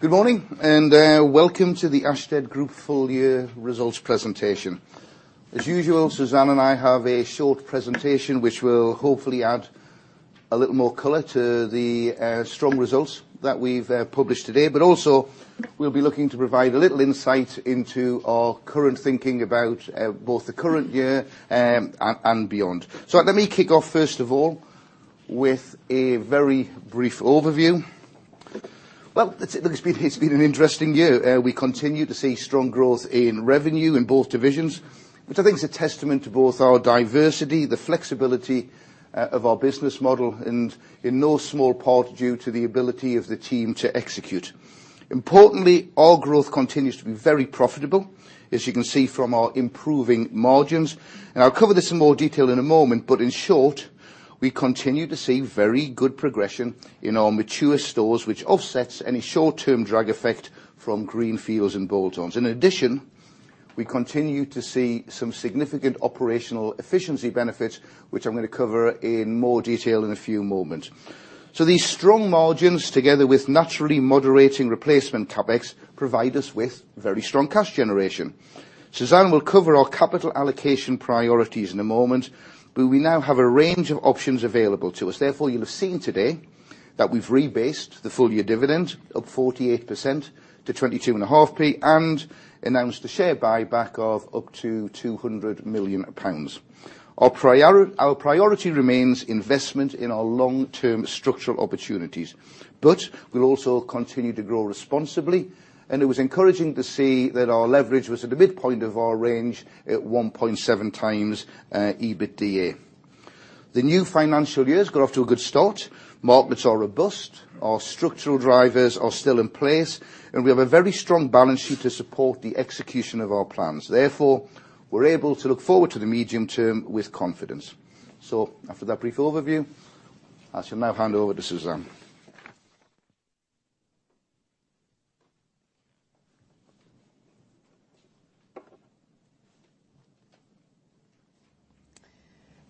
Good morning. Welcome to the Ashtead Group full year results presentation. As usual, Suzanne and I have a short presentation which will hopefully add a little more color to the strong results that we've published today. Also, we'll be looking to provide a little insight into our current thinking about both the current year and beyond. Let me kick off, first of all, with a very brief overview. Well, it's been an interesting year. We continue to see strong growth in revenue in both divisions, which I think is a testament to both our diversity, the flexibility of our business model, and in no small part due to the ability of the team to execute. Importantly, our growth continues to be very profitable, as you can see from our improving margins. I'll cover this in more detail in a moment, but in short, we continue to see very good progression in our mature stores, which offsets any short-term drag effect from greenfields and bolt-ons. In addition, we continue to see some significant operational efficiency benefits, which I'm going to cover in more detail in a few moments. These strong margins, together with naturally moderating replacement CapEx, provide us with very strong cash generation. Suzanne will cover our capital allocation priorities in a moment, but we now have a range of options available to us. Therefore, you'll have seen today that we've rebased the full-year dividend up 48% to 22.5p and announced a share buyback of up to 200 million pounds. Our priority remains investment in our long-term structural opportunities, but we'll also continue to grow responsibly, and it was encouraging to see that our leverage was at the midpoint of our range at 1.7 times EBITDA. The new financial year has got off to a good start. Markets are robust, our structural drivers are still in place, and we have a very strong balance sheet to support the execution of our plans. Therefore, we're able to look forward to the medium term with confidence. After that brief overview, I shall now hand over to Suzanne.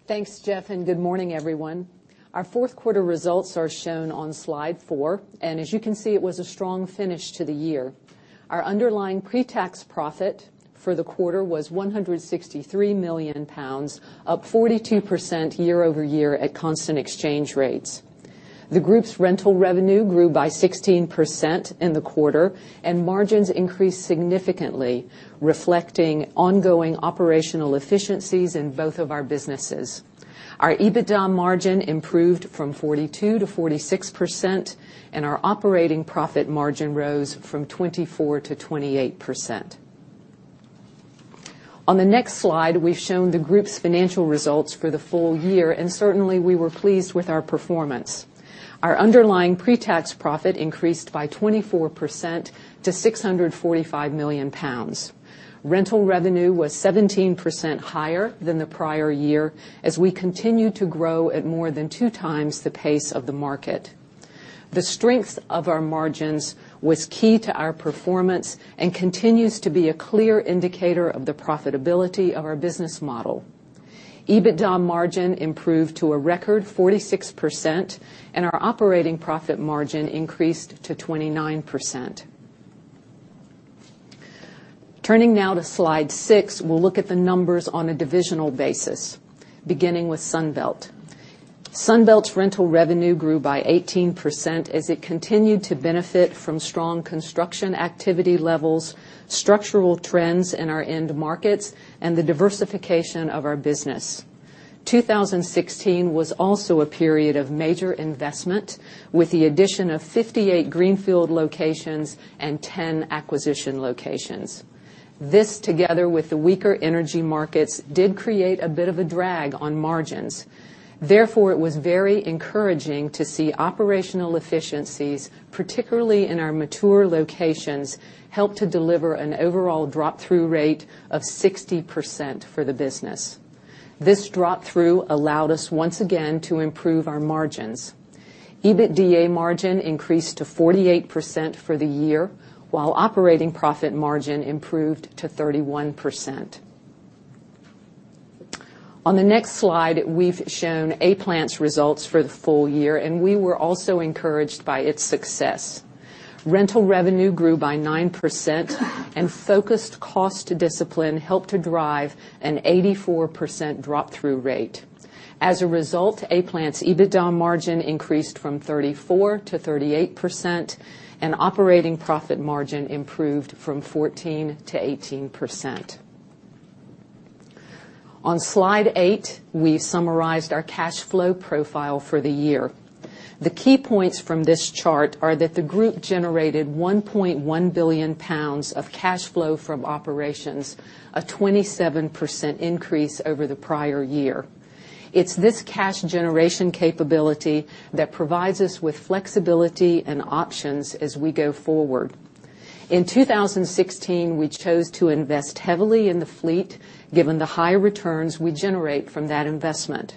Thanks, Geoff. Good morning, everyone. Our fourth quarter results are shown on slide four. As you can see, it was a strong finish to the year. Our underlying pre-tax profit for the quarter was 163 million pounds, up 42% year-over-year at constant exchange rates. The group's rental revenue grew by 16% in the quarter, and margins increased significantly, reflecting ongoing operational efficiencies in both of our businesses. Our EBITDA margin improved from 42%-46%, and our operating profit margin rose from 24%-28%. On the next slide, we've shown the group's financial results for the full year. Certainly, we were pleased with our performance. Our underlying pre-tax profit increased by 24% to 645 million pounds. Rental revenue was 17% higher than the prior year as we continued to grow at more than two times the pace of the market. The strength of our margins was key to our performance and continues to be a clear indicator of the profitability of our business model. EBITDA margin improved to a record 46%, and our operating profit margin increased to 29%. Turning now to slide six, we'll look at the numbers on a divisional basis, beginning with Sunbelt. Sunbelt's rental revenue grew by 18% as it continued to benefit from strong construction activity levels, structural trends in our end markets, and the diversification of our business. 2016 was also a period of major investment, with the addition of 58 greenfield locations and 10 acquisition locations. This, together with the weaker energy markets, did create a bit of a drag on margins. Therefore, it was very encouraging to see operational efficiencies, particularly in our mature locations, help to deliver an overall drop-through rate of 60% for the business. This drop-through allowed us once again to improve our margins. EBITDA margin increased to 48% for the year, while operating profit margin improved to 31%. On the next slide, we've shown A-Plant's results for the full year, and we were also encouraged by its success. Rental revenue grew by 9%, and focused cost discipline helped to drive an 84% drop-through rate. As a result, A-Plant's EBITDA margin increased from 34%-38%, and operating profit margin improved from 14%-18%. On slide eight, we've summarized our cash flow profile for the year. The key points from this chart are that the group generated 1.1 billion pounds of cash flow from operations, a 27% increase over the prior year. It's this cash generation capability that provides us with flexibility and options as we go forward. In 2016, we chose to invest heavily in the fleet, given the high returns we generate from that investment.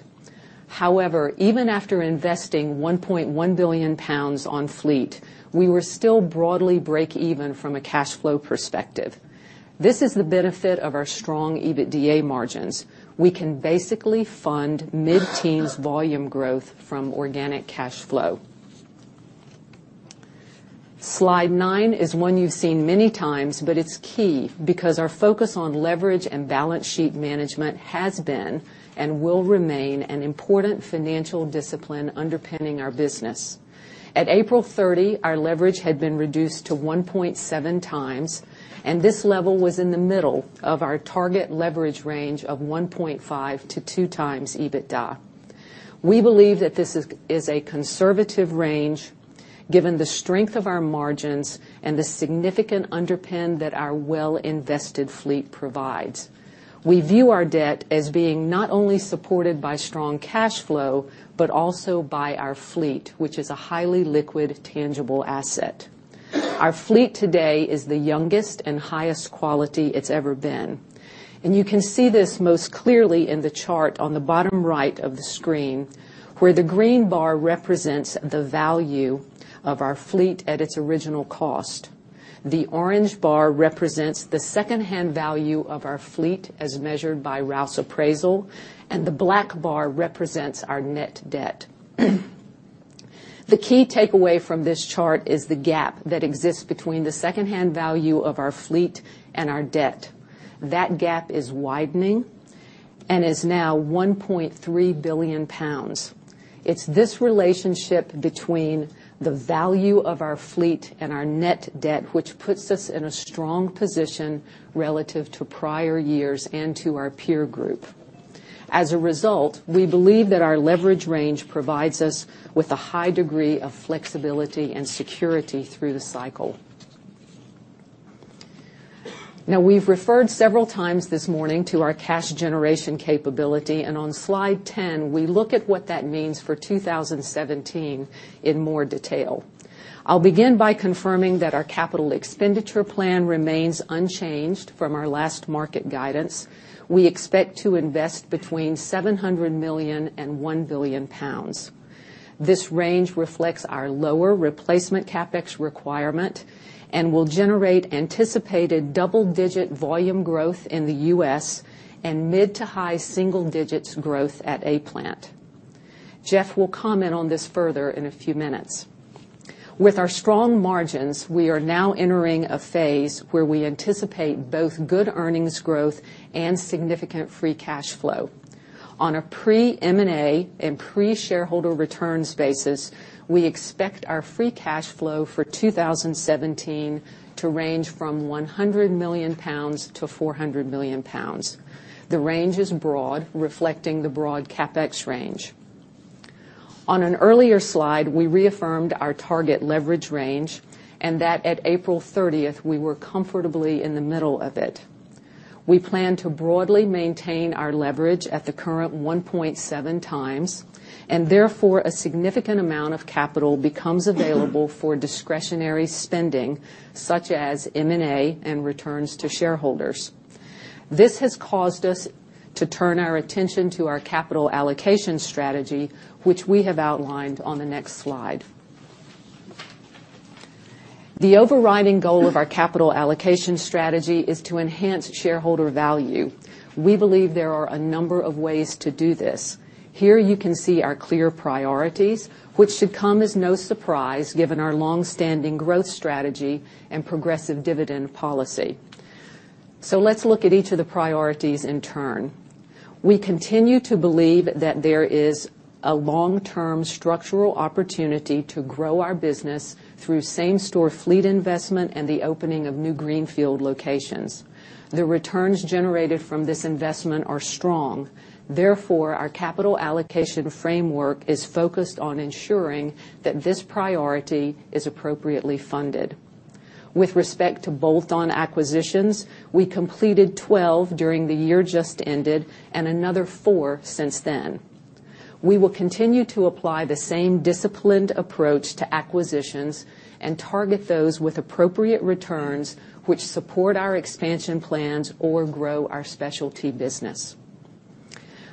However, even after investing 1.1 billion pounds on fleet, we were still broadly break even from a cash flow perspective. This is the benefit of our strong EBITDA margins. We can basically fund mid-teens volume growth from organic cash flow. Slide nine is one you've seen many times, but it's key because our focus on leverage and balance sheet management has been and will remain an important financial discipline underpinning our business. At April 30, our leverage had been reduced to 1.7 times, and this level was in the middle of our target leverage range of 1.5-2 times EBITDA. We believe that this is a conservative range given the strength of our margins and the significant underpin that our well-invested fleet provides. We view our debt as being not only supported by strong cash flow, but also by our fleet, which is a highly liquid, tangible asset. Our fleet today is the youngest and highest quality it's ever been. And you can see this most clearly in the chart on the bottom right of the screen, where the green bar represents the value of our fleet at its original cost. The orange bar represents the secondhand value of our fleet as measured by Rouse Appraisals, and the black bar represents our net debt. The key takeaway from this chart is the gap that exists between the secondhand value of our fleet and our debt. That gap is widening and is now 1.3 billion pounds. It's this relationship between the value of our fleet and our net debt which puts us in a strong position relative to prior years and to our peer group. As a result, we believe that our leverage range provides us with a high degree of flexibility and security through the cycle. Now, we've referred several times this morning to our cash generation capability, and on slide 10, we look at what that means for 2017 in more detail. I'll begin by confirming that our capital expenditure plan remains unchanged from our last market guidance. We expect to invest between 700 million and 1 billion pounds. This range reflects our lower replacement CapEx requirement and will generate anticipated double-digit volume growth in the U.S. and mid to high single digits growth at A-Plant. Geoff will comment on this further in a few minutes. With our strong margins, we are now entering a phase where we anticipate both good earnings growth and significant free cash flow. On a pre-M&A and pre-shareholder returns basis, we expect our free cash flow for 2017 to range from £100 million to £400 million. The range is broad, reflecting the broad CapEx range. On an earlier slide, we reaffirmed our target leverage range and that at April 30th, we were comfortably in the middle of it. We plan to broadly maintain our leverage at the current 1.7 times. Therefore, a significant amount of capital becomes available for discretionary spending, such as M&A and returns to shareholders. This has caused us to turn our attention to our capital allocation strategy, which we have outlined on the next slide. The overriding goal of our capital allocation strategy is to enhance shareholder value. We believe there are a number of ways to do this. Here you can see our clear priorities, which should come as no surprise given our long-standing growth strategy and progressive dividend policy. Let's look at each of the priorities in turn. We continue to believe that there is a long-term structural opportunity to grow our business through same-store fleet investment and the opening of new greenfield locations. The returns generated from this investment are strong. Therefore, our capital allocation framework is focused on ensuring that this priority is appropriately funded. With respect to bolt-on acquisitions, we completed 12 during the year just ended and another four since then. We will continue to apply the same disciplined approach to acquisitions and target those with appropriate returns which support our expansion plans or grow our specialty business.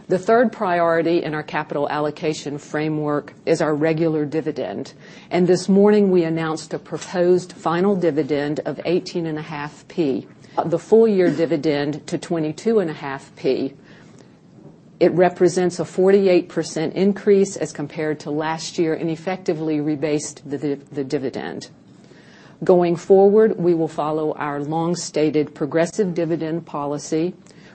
The third priority in our capital allocation framework is our regular dividend. This morning, we announced a proposed final dividend of 18.5p. The full-year dividend to 22.5p. It represents a 48% increase as compared to last year and effectively rebased the dividend. Going forward, we will follow our long-stated progressive dividend policy,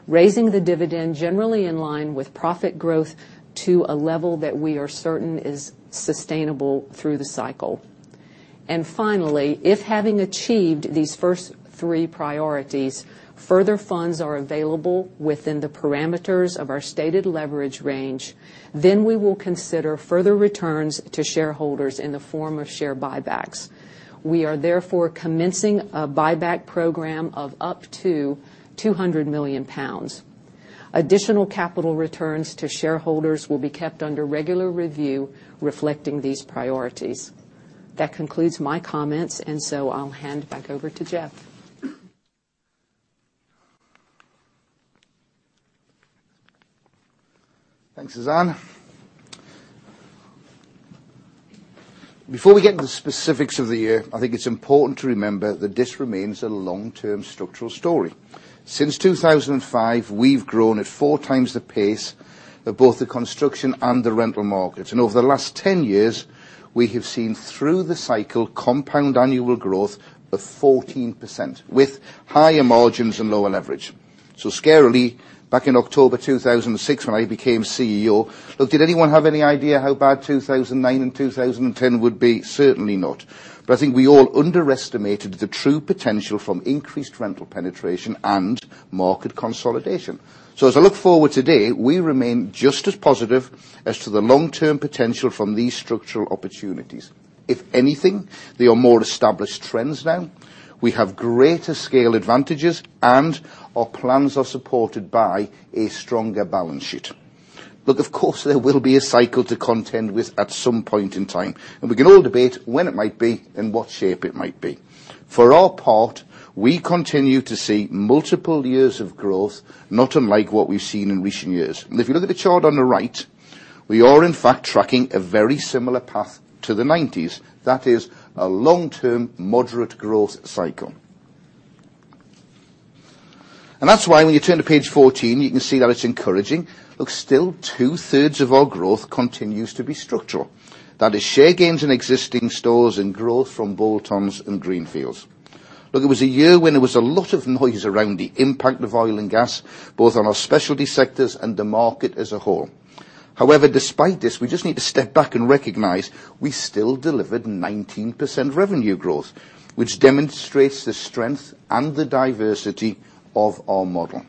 raising the dividend generally in line with profit growth to a level that we are certain is sustainable through the cycle. Finally, if having achieved these first three priorities, further funds are available within the parameters of our stated leverage range, then we will consider further returns to shareholders in the form of share buybacks. We are therefore commencing a buyback program of up to £200 million. Additional capital returns to shareholders will be kept under regular review, reflecting these priorities. That concludes my comments, I'll hand back over to Geoff. Thanks, Suzanne. Before we get into the specifics of the year, I think it's important to remember that this remains a long-term structural story. Since 2005, we've grown at four times the pace of both the construction and the rental markets. Over the last 10 years, we have seen through the cycle compound annual growth of 14% with higher margins and lower leverage. Scarily, back in October 2006, when I became CEO, did anyone have any idea how bad 2009 and 2010 would be? Certainly not. But I think we all underestimated the true potential from increased rental penetration and market consolidation. As I look forward today, we remain just as positive as to the long-term potential from these structural opportunities. If anything, they are more established trends now. We have greater scale advantages, and our plans are supported by a stronger balance sheet. Of course, there will be a cycle to contend with at some point in time, and we can all debate when it might be and what shape it might be. For our part, we continue to see multiple years of growth, not unlike what we've seen in recent years. If you look at the chart on the right, we are in fact tracking a very similar path to the '90s. That is a long-term moderate growth cycle. That's why when you turn to page 14, you can see that it's encouraging. Still two-thirds of our growth continues to be structural. That is share gains in existing stores and growth from bolt-ons and Greenfields. It was a year when there was a lot of noise around the impact of oil and gas, both on our specialty sectors and the market as a whole. However, despite this, we just need to step back and recognize we still delivered 19% revenue growth, which demonstrates the strength and the diversity of our model.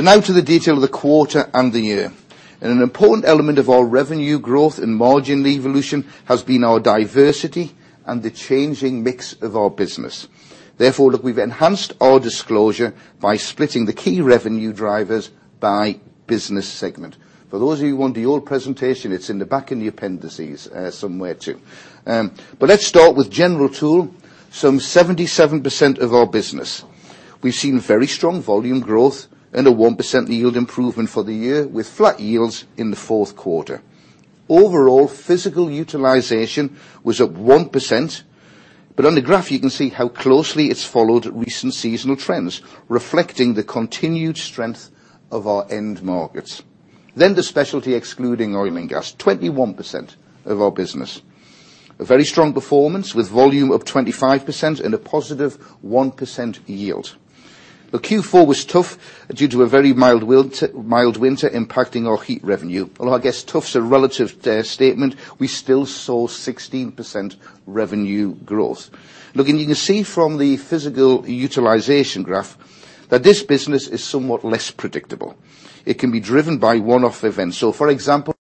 Now to the detail of the quarter and the year. An important element of our revenue growth and margin evolution has been our diversity and the changing mix of our business. Therefore, we've enhanced our disclosure by splitting the key revenue drivers by business segment. For those of you who want the old presentation, it's in the back in the appendices, somewhere, too. But let's start with general tool, some 77% of our business. We've seen very strong volume growth and a 1% yield improvement for the year, with flat yields in the fourth quarter. Overall, physical utilization was up 1%, but on the graph, you can see how closely it's followed recent seasonal trends, reflecting the continued strength of our end markets. Then the specialty excluding oil and gas, 21% of our business. A very strong performance with volume up 25% and a positive 1% yield. Q4 was tough due to a very mild winter impacting our heat revenue, although I guess tough's a relative statement. We still saw 16% revenue growth. You can see from the physical utilization graph that this business is somewhat less predictable. It can be driven by one-off events. For example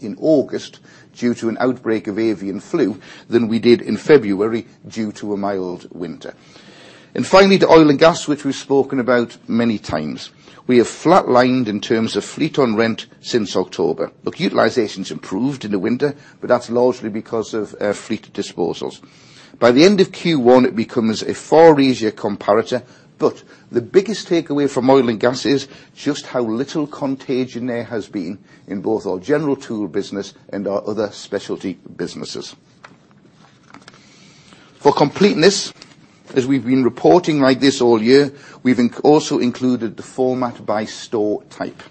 in August, due to an outbreak of avian flu, than we did in February, due to a mild winter. Finally, to oil and gas, which we've spoken about many times. We have flat-lined in terms of fleet on rent since October. Utilization's improved in the winter, but that's largely because of fleet disposals. By the end of Q1, it becomes a far easier comparator, but the biggest takeaway from oil and gas is just how little contagion there has been in both our general tool business and our other specialty businesses. For completeness, as we've been reporting like this all year, we've also included the format by store type.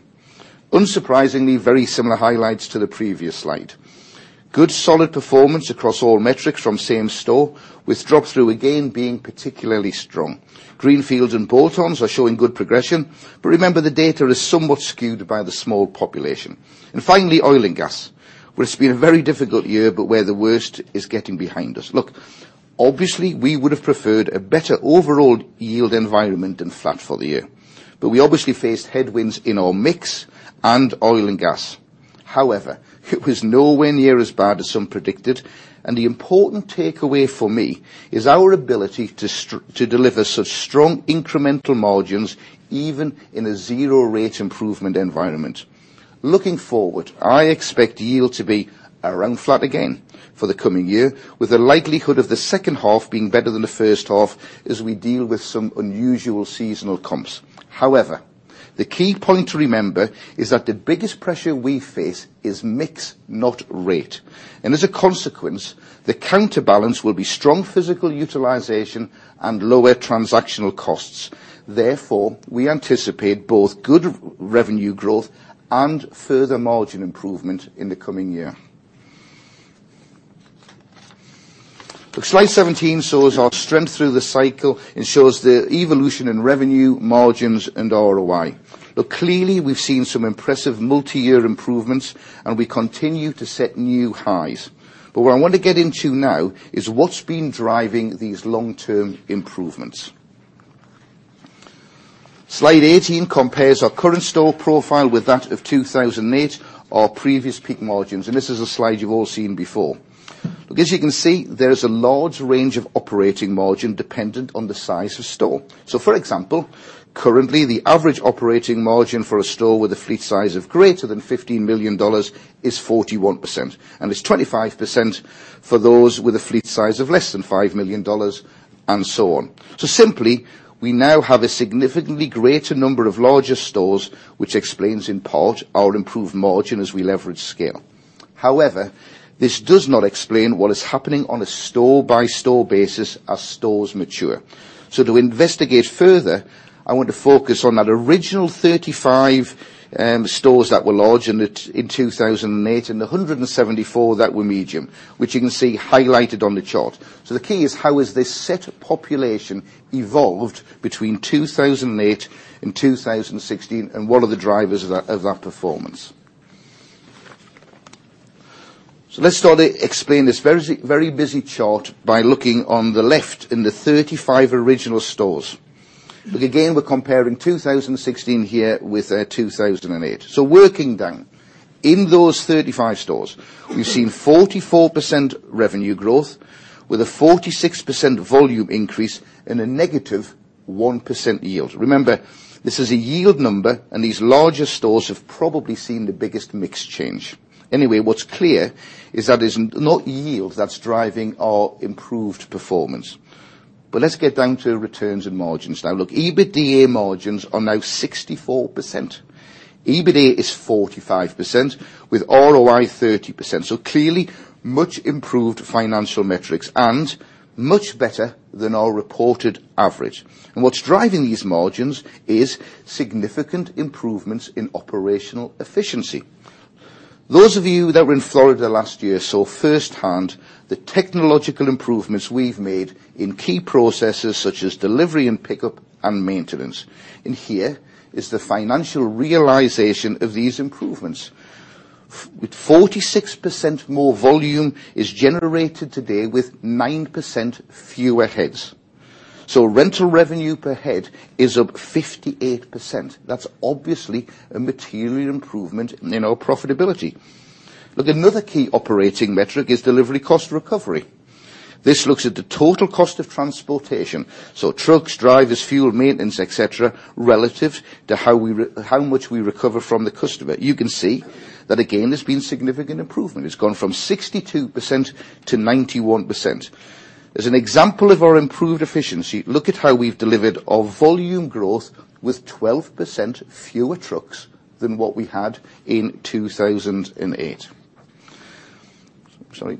Unsurprisingly, very similar highlights to the previous slide. Good solid performance across all metrics from same store, with drop-through again being particularly strong. Greenfields and Boltons are showing good progression, but remember, the data is somewhat skewed by the small population. Finally, oil and gas, where it's been a very difficult year, but where the worst is getting behind us. Obviously, we would have preferred a better overall yield environment than flat for the year. We obviously faced headwinds in our mix and oil and gas. However, it was nowhere near as bad as some predicted, and the important takeaway for me is our ability to deliver such strong incremental margins even in a zero rate improvement environment. Looking forward, I expect yield to be around flat again for the coming year, with the likelihood of the second half being better than the first half as we deal with some unusual seasonal comps. However, the key point to remember is that the biggest pressure we face is mix, not rate. As a consequence, the counterbalance will be strong physical utilization and lower transactional costs. Therefore, we anticipate both good revenue growth and further margin improvement in the coming year. Slide 17 shows our strength through the cycle and shows the evolution in revenue margins and ROI. Clearly, we've seen some impressive multi-year improvements and we continue to set new highs. What I want to get into now is what's been driving these long-term improvements. Slide 18 compares our current store profile with that of 2008, our previous peak margins, and this is a slide you've all seen before. As you can see, there is a large range of operating margin dependent on the size of store. For example, currently, the average operating margin for a store with a fleet size of greater than GBP 50 million is 41%, and it's 25% for those with a fleet size of less than GBP 5 million, and so on. Simply, we now have a significantly greater number of larger stores, which explains in part our improved margin as we leverage scale. However, this does not explain what is happening on a store-by-store basis as stores mature. To investigate further, I want to focus on that original 35 stores that were large in 2008 and the 174 that were medium, which you can see highlighted on the chart. The key is, how has this set of population evolved between 2008 and 2016, and what are the drivers of that performance? Let's explain this very busy chart by looking on the left in the 35 original stores. Again, we're comparing 2016 here with 2008. Working down, in those 35 stores, we've seen 44% revenue growth with a 46% volume increase and a negative 1% yield. Remember, this is a yield number, and these larger stores have probably seen the biggest mix change. Anyway, what's clear is that it's not yield that's driving our improved performance. Let's get down to returns and margins. EBITDA margins are now 64%. EBITA is 45% with ROI 30%. Clearly, much improved financial metrics and much better than our reported average. What is driving these margins is significant improvements in operational efficiency. Those of you that were in Florida last year saw firsthand the technological improvements we've made in key processes such as delivery and pickup and maintenance. Here is the financial realization of these improvements. With 46% more volume is generated today with 9% fewer heads. Rental revenue per head is up 58%. That's obviously a material improvement in our profitability. Look, another key operating metric is delivery cost recovery. This looks at the total cost of transportation, so trucks, drivers, fuel, maintenance, et cetera, relative to how much we recover from the customer. You can see that again, there's been significant improvement. It's gone from 62% to 91%. As an example of our improved efficiency, look at how we've delivered our volume growth with 12% fewer trucks than what we had in 2008. Sorry.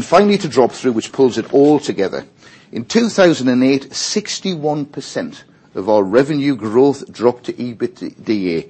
Finally, to drop-through, which pulls it all together. In 2008, 61% of our revenue growth dropped to EBITDA.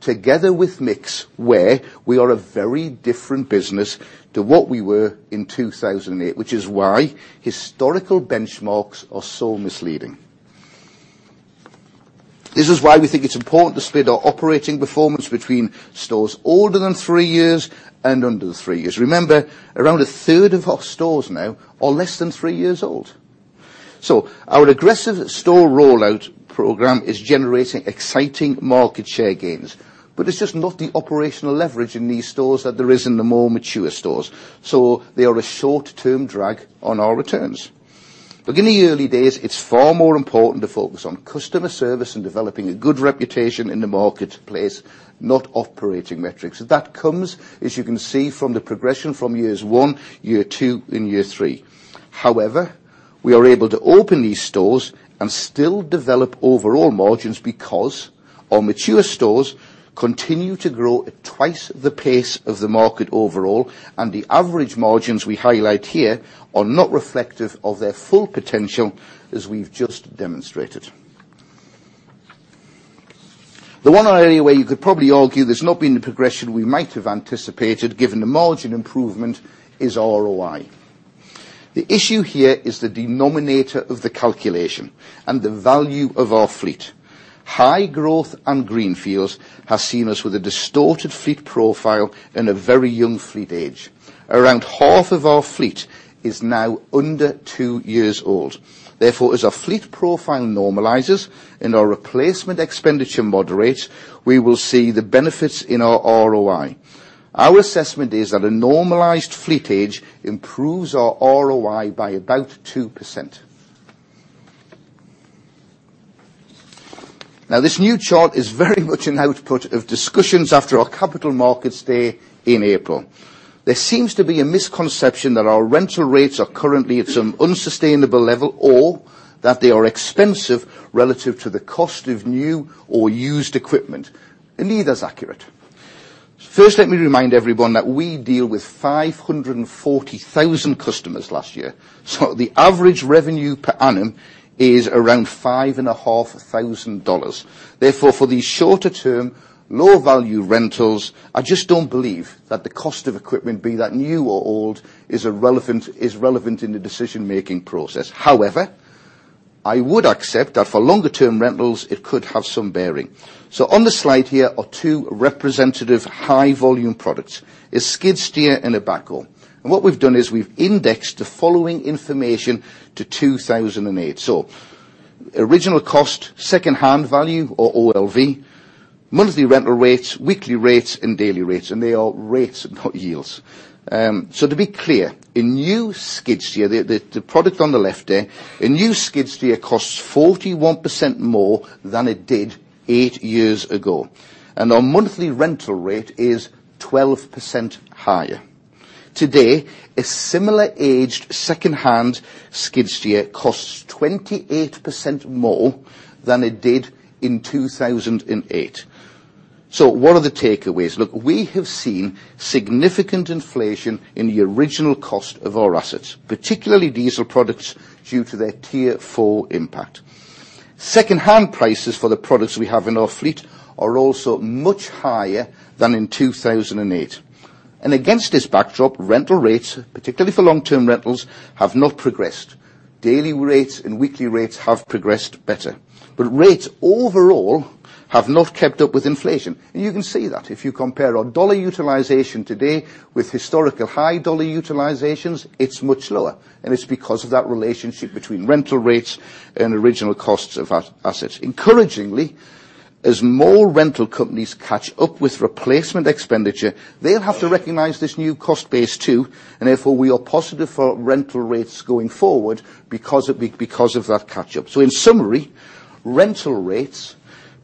Today, continue to grow at twice the pace of the market overall, and the average margins we highlight here are not reflective of their full potential as we've just demonstrated. The one area where you could probably argue there's not been the progression we might have anticipated given the margin improvement is ROI. The issue here is the denominator of the calculation and the value of our fleet. High growth and greenfields have seen us with a distorted fleet profile and a very young fleet age. Around half of our fleet is now under two years old. Therefore, as our fleet profile normalizes and our replacement expenditure moderates, we will see the benefits in our ROI. Our assessment is that a normalized fleet age improves our ROI by about 2%. This new chart is very much an output of discussions after our capital markets day in April. There seems to be a misconception that our rental rates are currently at some unsustainable level or that they are expensive relative to the cost of new or used equipment. Neither is accurate. First, let me remind everyone that we deal with 540,000 customers last year. The average revenue per annum is around five and a half thousand dollars. For these shorter-term, lower-value rentals, I just don't believe that the cost of equipment, be that new or old, is relevant in the decision-making process. However, I would accept that for longer-term rentals, it could have some bearing. On the slide here are two representative high-volume products, a skid steer and a backhoe. What we've done is we've indexed the following information to 2008. Original cost, secondhand value or OLV Monthly rental rates, weekly rates, and daily rates, and they are rates, not yields. To be clear, a new skid steer, the product on the left there, a new skid steer costs 41% more than it did 8 years ago. Our monthly rental rate is 12% higher. Today, a similar aged secondhand skid steer costs 28% more than it did in 2008. What are the takeaways? Look, we have seen significant inflation in the original cost of our assets, particularly diesel products due to their Tier 4 impact. Secondhand prices for the products we have in our fleet are also much higher than in 2008. Against this backdrop, rental rates, particularly for long-term rentals, have not progressed. Daily rates and weekly rates have progressed better, but rates overall have not kept up with inflation. You can see that. If you compare our dollar utilization today with historical high dollar utilizations, it's much lower, and it's because of that relationship between rental rates and original costs of our assets. Encouragingly, as more rental companies catch up with replacement expenditure, they'll have to recognize this new cost base too, and therefore, we are positive for rental rates going forward because of that catch-up. In summary, rental rates,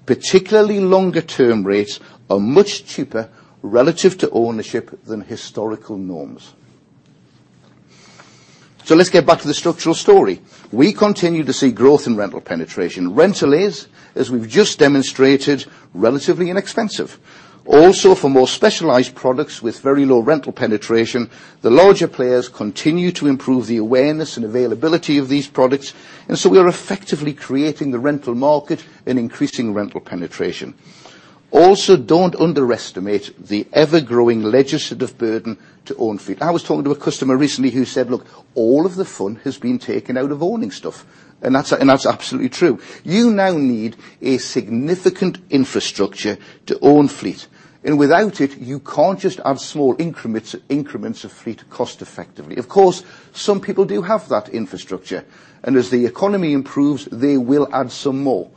particularly longer-term rates, are much cheaper relative to ownership than historical norms. Let's get back to the structural story. We continue to see growth in rental penetration. Rental is, as we've just demonstrated, relatively inexpensive. For more specialized products with very low rental penetration, the larger players continue to improve the awareness and availability of these products, and so we are effectively creating the rental market and increasing rental penetration. Don't underestimate the ever-growing legislative burden to own fleet. I was talking to a customer recently who said, "Look, all of the fun has been taken out of owning stuff." That's absolutely true. You now need a significant infrastructure to own fleet, and without it, you can't just add small increments of fleet cost-effectively. Of course, some people do have that infrastructure, and as the economy improves, they will add some more.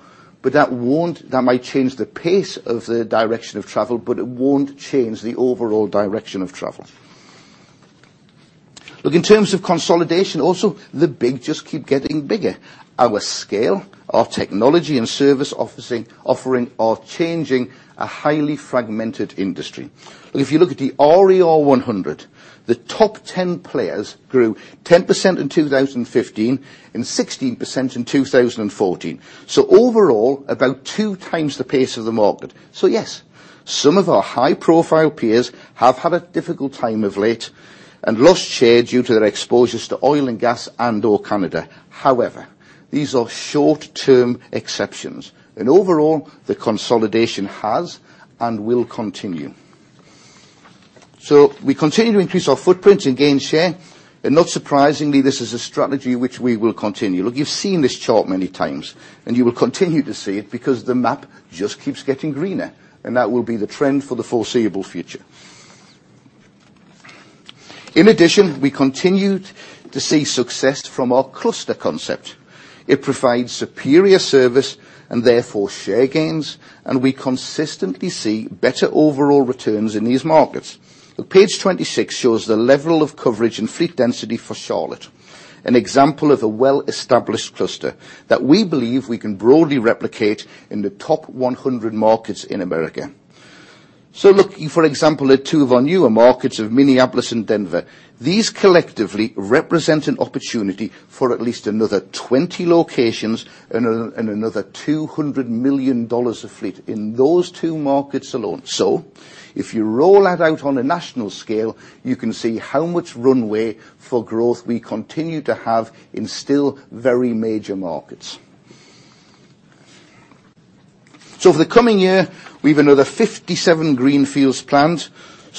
That might change the pace of the direction of travel, but it won't change the overall direction of travel. Look, in terms of consolidation also, the big just keep getting bigger. Our scale, our technology and service offering are changing a highly fragmented industry. If you look at the RER 100, the top 10 players grew 10% in 2015 and 16% in 2014. Overall, about 2 times the pace of the market. Yes, some of our high-profile peers have had a difficult time of late and lost share due to their exposures to oil and gas and/or Canada. However, these are short-term exceptions, and overall, the consolidation has and will continue. We continue to increase our footprint and gain share, and not surprisingly, this is a strategy which we will continue. You've seen this chart many times, and you will continue to see it because the map just keeps getting greener, and that will be the trend for the foreseeable future. In addition, we continued to see success from our cluster concept. It provides superior service and therefore share gains, and we consistently see better overall returns in these markets. Page 26 shows the level of coverage and fleet density for Charlotte, an example of a well-established cluster that we believe we can broadly replicate in the top 100 markets in the U.S. Looking, for example, at two of our newer markets of Minneapolis and Denver, these collectively represent an opportunity for at least another 20 locations and another GBP 200 million of fleet in those two markets alone. If you roll that out on a national scale, you can see how much runway for growth we continue to have in still very major markets. For the coming year, we've another 57 greenfields planned,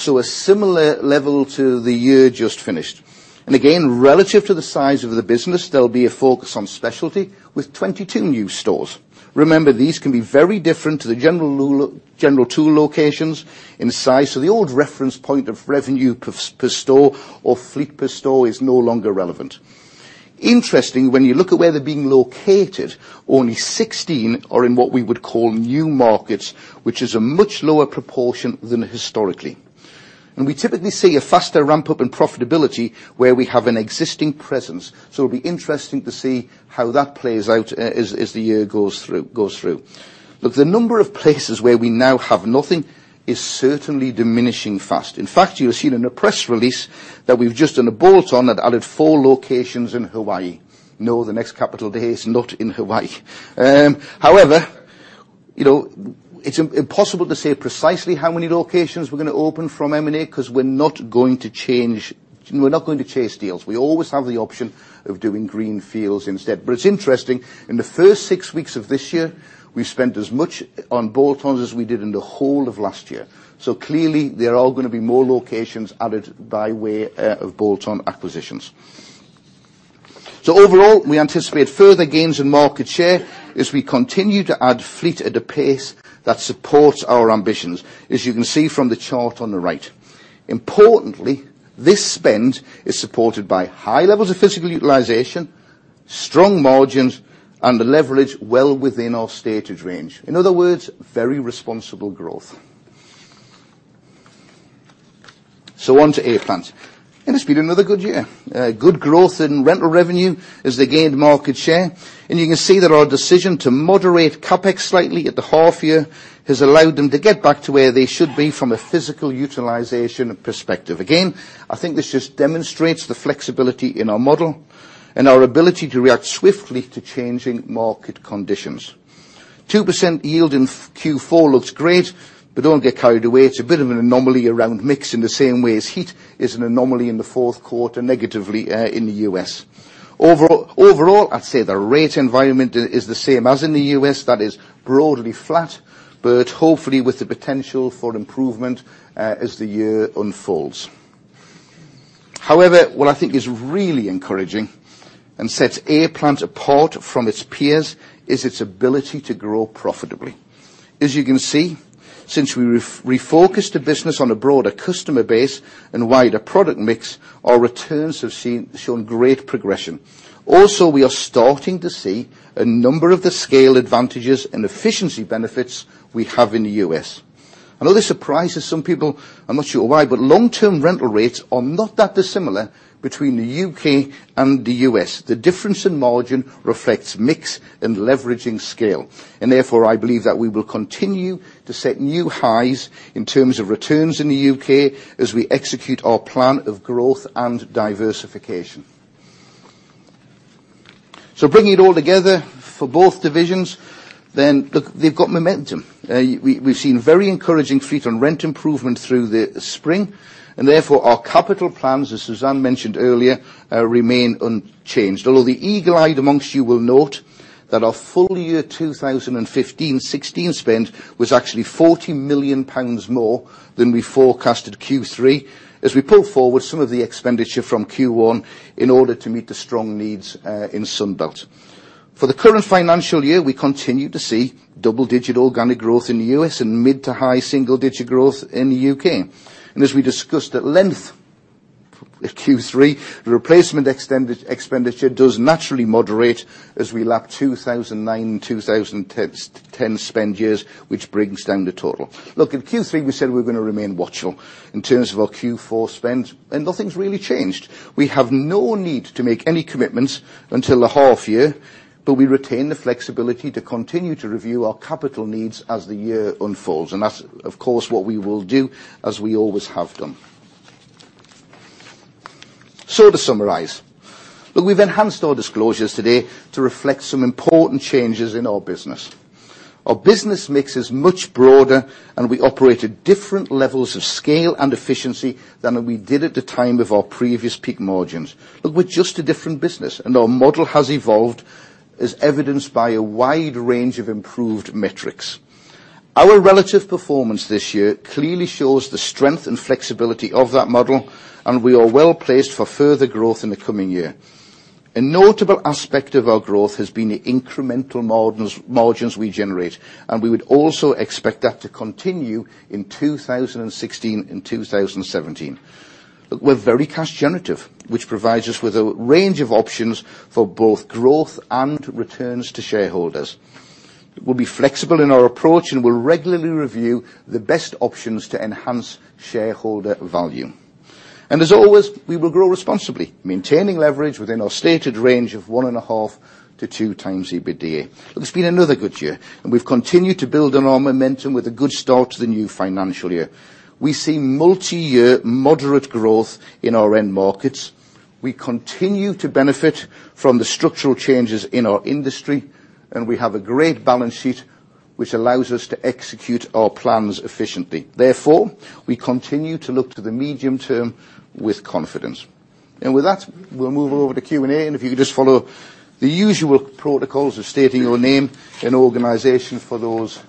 a similar level to the year just finished. Again, relative to the size of the business, there'll be a focus on specialty with 22 new stores. Remember, these can be very different to the general tool locations in size, the old reference point of revenue per store or fleet per store is no longer relevant. Interesting, when you look at where they're being located, only 16 are in what we would call new markets, which is a much lower proportion than historically. We typically see a faster ramp-up in profitability where we have an existing presence. It'll be interesting to see how that plays out as the year goes through. The number of places where we now have nothing is certainly diminishing fast. In fact, you'll have seen in a press release that we've just done a bolt-on that added four locations in Hawaii. No, the next Capital Day is not in Hawaii. However, it's impossible to say precisely how many locations we're going to open from M&A because we're not going to chase deals. We always have the option of doing greenfields instead. It's interesting. In the first six weeks of this year, we've spent as much on bolt-ons as we did in the whole of last year. Clearly, there are going to be more locations added by way of bolt-on acquisitions. Overall, we anticipate further gains in market share as we continue to add fleet at a pace that supports our ambitions, as you can see from the chart on the right. Importantly, this spend is supported by high levels of physical utilization, strong margins and a leverage well within our stated range. In other words, very responsible growth. On to A-Plant. It has been another good year. Good growth in rental revenue as they gained market share. You can see that our decision to moderate CapEx slightly at the half year has allowed them to get back to where they should be from a physical utilization perspective. I think this just demonstrates the flexibility in our model and our ability to react swiftly to changing market conditions. 2% yield in Q4 looks great, but don't get carried away. It's a bit of an anomaly around mix in the same way as heat is an anomaly in the fourth quarter negatively in the U.S. Overall, I'd say the rate environment is the same as in the U.S., that is broadly flat, but hopefully with the potential for improvement as the year unfolds. However, what I think is really encouraging and sets A-Plant apart from its peers is its ability to grow profitably. As you can see, since we refocused the business on a broader customer base and wider product mix, our returns have shown great progression. Also, we are starting to see a number of the scale advantages and efficiency benefits we have in the U.S. I know this surprises some people, I'm not sure why, long-term rental rates are not that dissimilar between the U.K. and the U.S. The difference in margin reflects mix and leveraging scale, therefore, I believe that we will continue to set new highs in terms of returns in the U.K. as we execute our plan of growth and diversification. Bringing it all together for both divisions, look, they've got momentum. We've seen very encouraging fleet on rent improvement through the spring, therefore, our capital plans, as Suzanne mentioned earlier, remain unchanged. Although the eagle-eyed amongst you will note that our full year 2015/16 spend was actually 40 million pounds more than we forecasted Q3, as we pull forward some of the expenditure from Q1 in order to meet the strong needs in Sunbelt. For the current financial year, we continue to see double-digit organic growth in the U.S. and mid to high single-digit growth in the U.K. As we discussed at length at Q3, the replacement expenditure does naturally moderate as we lap 2009 and 2010 spend years, which brings down the total. Look, at Q3, we said we were going to remain watchful in terms of our Q4 spend, nothing's really changed. We have no need to make any commitments until the half year, we retain the flexibility to continue to review our capital needs as the year unfolds. That's, of course, what we will do, as we always have done. To summarize. Look, we've enhanced our disclosures today to reflect some important changes in our business. Our business mix is much broader, we operate at different levels of scale and efficiency than we did at the time of our previous peak margins. Look, we're just a different business, our model has evolved, as evidenced by a wide range of improved metrics. Our relative performance this year clearly shows the strength and flexibility of that model, we are well-placed for further growth in the coming year. A notable aspect of our growth has been the incremental margins we generate, we would also expect that to continue in 2016 and 2017. Look, we're very cash generative, which provides us with a range of options for both growth and returns to shareholders. We'll be flexible in our approach, will regularly review the best options to enhance shareholder value. We will grow responsibly, maintaining leverage within our stated range of one and a half to two times EBITDA. It's been another good year, we've continued to build on our momentum with a good start to the new financial year. We see multi-year moderate growth in our end markets. We continue to benefit from the structural changes in our industry, we have a great balance sheet, which allows us to execute our plans efficiently. Therefore, we continue to look to the medium term with confidence. With that, we'll move over to Q&A, if you could just follow the usual protocols of stating your name and organization for those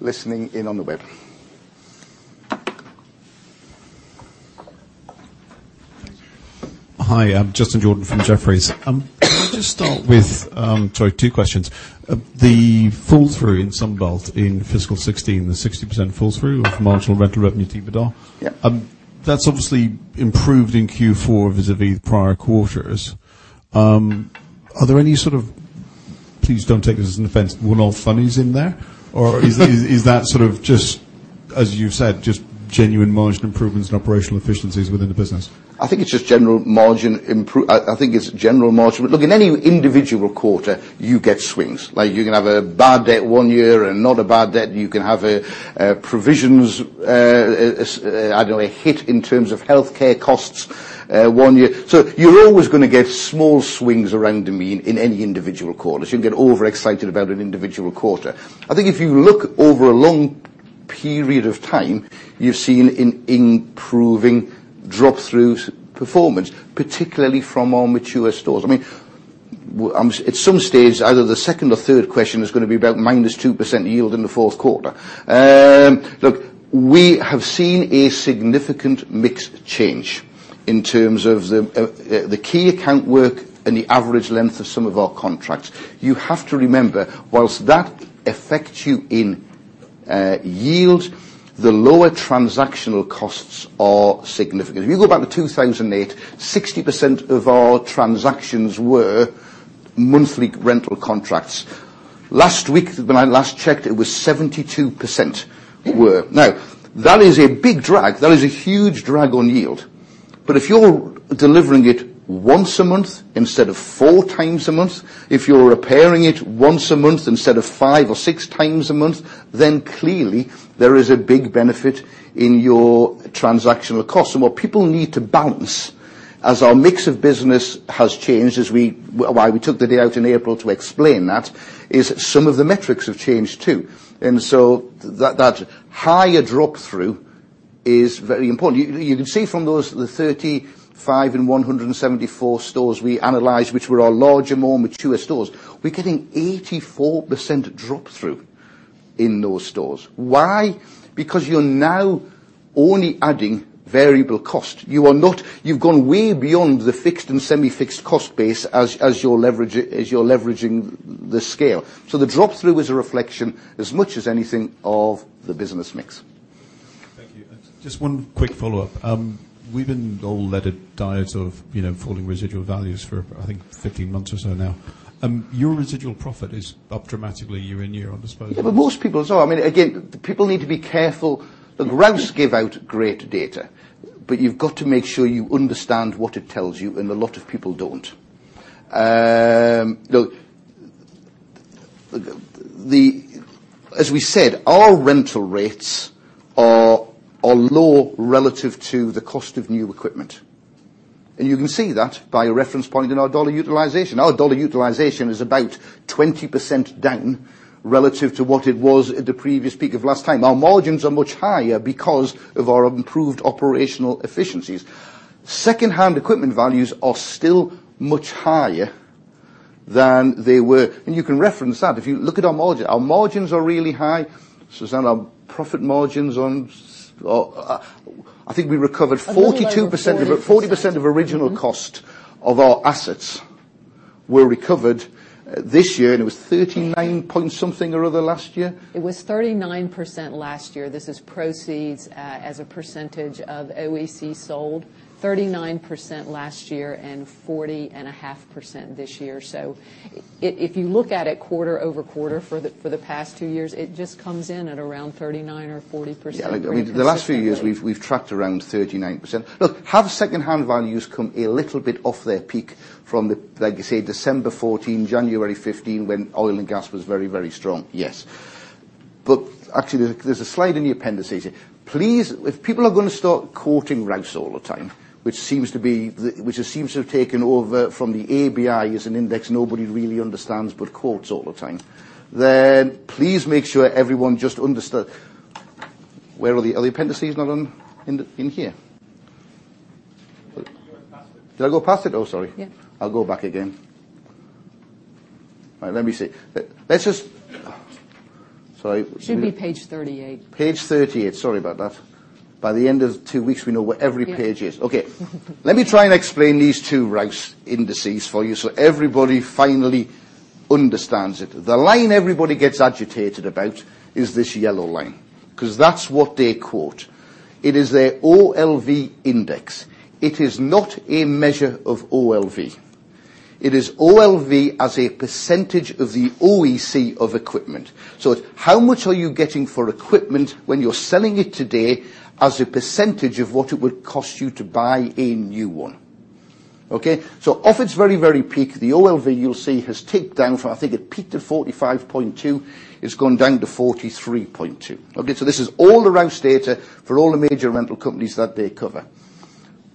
listening in on the web. Hi, I'm Justin Jordan from Jefferies. Can I just start with two questions? The drop-through in Sunbelt in fiscal 2016, the 60% drop-through of marginal rental revenue to EBITDA. Yeah. That's obviously improved in Q4 vis-à-vis the prior quarters. Are there any sort of, please don't take this as an offense, one-off funnies in there? Is that just as you've said, just genuine margin improvements and operational efficiencies within the business? I think it's general margin. In any individual quarter, you get swings. You can have a bad debt one year and not a bad debt. You can have a provisions, I don't know, a hit in terms of healthcare costs one year. You're always going to get small swings around the mean in any individual quarter. You can get overexcited about an individual quarter. I think if you look over a long period of time, you've seen an improving drop-through performance, particularly from our mature stores. At some stage, either the second or third question is going to be about -2% yield in the fourth quarter. We have seen a significant mix change in terms of the key account work and the average length of some of our contracts. You have to remember, whilst that affects you in yield, the lower transactional costs are significant. If you go back to 2008, 60% of our transactions were monthly rental contracts. Last week, when I last checked, it was 72% were. That is a big drag. That is a huge drag on yield. If you're delivering it once a month instead of four times a month, if you're repairing it once a month instead of five or six times a month, then clearly there is a big benefit in your transactional cost. What people need to balance, as our mix of business has changed, why we took the day out in April to explain that, is some of the metrics have changed, too. That higher drop-through is very important. You can see from the 35 and 174 stores we analyzed, which were our larger, more mature stores, we're getting 84% drop-through in those stores. Why? Because you're now only adding variable cost. You've gone way beyond the fixed and semi-fixed cost base as you're leveraging the scale. The drop-through is a reflection as much as anything of the business mix. Thank you. Just one quick follow-up. We've been all at a diet of falling residual values for, I think, 15 months or so now. Your residual profit is up dramatically year-on-year on disposals. Most people's are. Again, people need to be careful. The Rouse give out great data, but you've got to make sure you understand what it tells you, and a lot of people don't. Look, as we said, our rental rates are low relative to the cost of new equipment. You can see that by a reference point in our dollar utilization. Our dollar utilization is about 20% down relative to what it was at the previous peak of last time. Our margins are much higher because of our improved operational efficiencies. Secondhand equipment values are still much higher than they were. You can reference that. If you look at our margin, our margins are really high. Suzanne, our profit margins on-- I think we recovered 42%. Another one before 40% of original cost of our assets were recovered this year, and it was 39-point-something or other last year. It was 39% last year. This is proceeds as a percentage of OEC sold. 39% last year and 40.5% this year. If you look at it quarter-over-quarter for the past two years, it just comes in at around 39 or 40% very consistently. Yeah. The last few years we've tracked around 39%. Look, have secondhand values come a little bit off their peak from, like you say, December 2014, January 2015 when oil and gas was very, very strong? Yes. Actually, there's a slide in the appendices. If people are going to start quoting Rouse all the time, which seems to have taken over from the ABI as an index nobody really understands but quotes all the time, please make sure everyone just understood. Where are the appendices, Nolan? In here? You went past it. Did I go past it? Oh, sorry. Yeah. I'll go back again. All right, let me see. Let's just Sorry. It should be page 38. Page 38. Sorry about that. By the end of two weeks, we know where every page is. Yeah. Okay. Let me try and explain these two Rouse indices for you so everybody finally understands it. The line everybody gets agitated about is this yellow line, because that's what they quote. It is their OLV index. It is not a measure of OLV. It is OLV as a percentage of the OEC of equipment. How much are you getting for equipment when you're selling it today as a percentage of what it would cost you to buy a new one? Okay? Off its very, very peak, the OLV you'll see has ticked down from, I think it peaked at 45.2, it's gone down to 43.2. Okay? This is all the Rouse data for all the major rental companies that they cover.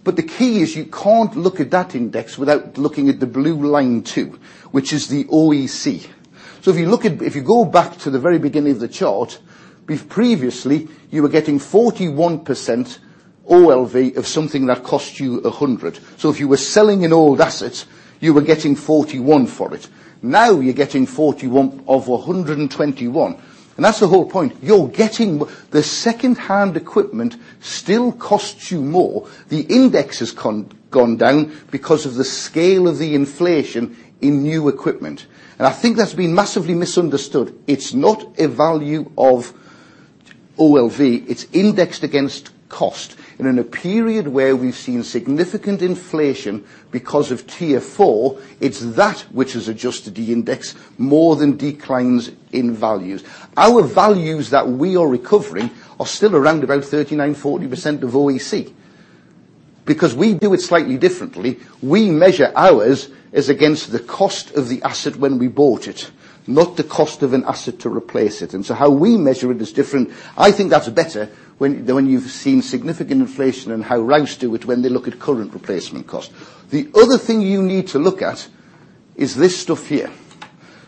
The key is you can't look at that index without looking at the blue line, too, which is the OEC. If you go back to the very beginning of the chart, previously you were getting 41% OLV of something that cost you 100. If you were selling an old asset, you were getting 41 for it. Now you're getting 41 of 121, that's the whole point. The secondhand equipment still costs you more. The index has gone down because of the scale of the inflation in new equipment. I think that's been massively misunderstood. It's not a value of OLV, it's indexed against cost. In a period where we've seen significant inflation because of Tier 4, it's that which has adjusted the index more than declines in values. Our values that we are recovering are still around about 39%-40% of OEC. Because we do it slightly differently, we measure ours as against the cost of the asset when we bought it, not the cost of an asset to replace it. How we measure it is different. I think that's better when you've seen significant inflation and how Rouse do it when they look at current replacement cost. The other thing you need to look at is this stuff here.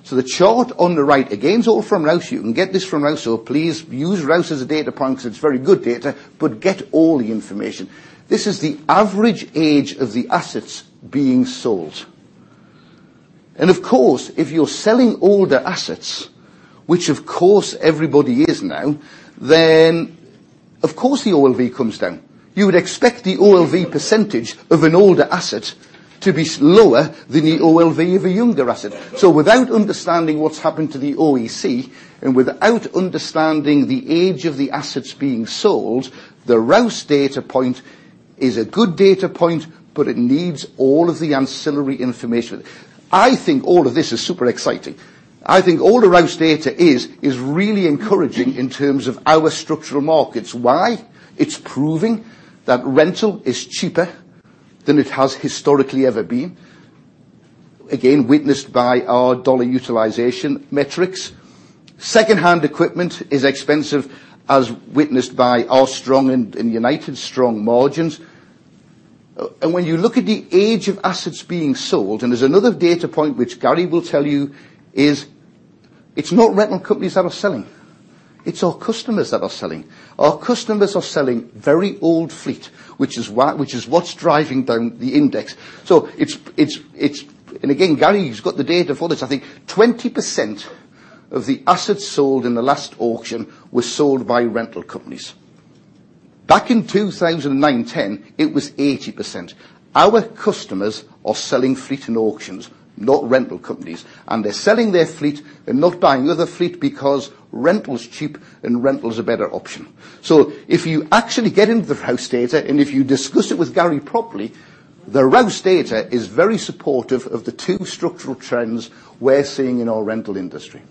The chart on the right, again, is all from Rouse. You can get this from Rouse so please use Rouse as a data point because it's very good data, but get all the information. This is the average age of the assets being sold. Of course, if you're selling older assets, which of course everybody is now, Of course, the OLV comes down. You would expect the OLV percentage of an older asset to be lower than the OLV of a younger asset. Without understanding what's happened to the OEC, and without understanding the age of the assets being sold, the Rouse data point is a good data point, but it needs all of the ancillary information. I think all of this is super exciting. I think all the Rouse data is really encouraging in terms of our structural markets. Why? It's proving that rental is cheaper than it has historically ever been. Again, witnessed by our dollar utilization metrics. Secondhand equipment is expensive, as witnessed by our strong and United's strong margins. When you look at the age of assets being sold, and there's another data point which Gary will tell you, is it's not rental companies that are selling, it's our customers that are selling. Our customers are selling very old fleet, which is what's driving down the index. Again, Gary's got the data for this. I think 20% of the assets sold in the last auction were sold by rental companies. Back in 2009, '10, it was 80%. Our customers are selling fleet in auctions, not rental companies. They're selling their fleet. They're not buying another fleet because rental is cheap and rental is a better option. If you actually get into the Rouse data, and if you discuss it with Gary properly, the Rouse data is very supportive of the two structural trends we're seeing in our rental industry.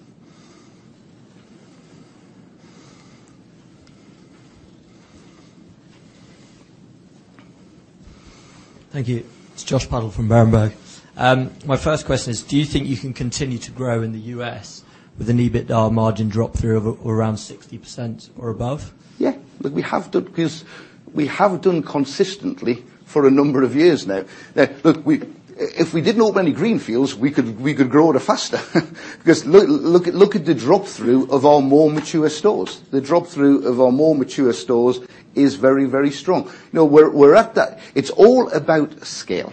Thank you. It's Josh Pade from Berenberg. My first question is, do you think you can continue to grow in the U.S. with an EBITDA margin drop-through of around 60% or above? Yeah. Look, we have done consistently for a number of years now. Look, if we didn't open any greenfields, we could grow it faster because look at the drop-through of our more mature stores. The drop-through of our more mature stores is very strong. We're at that. It's all about scale.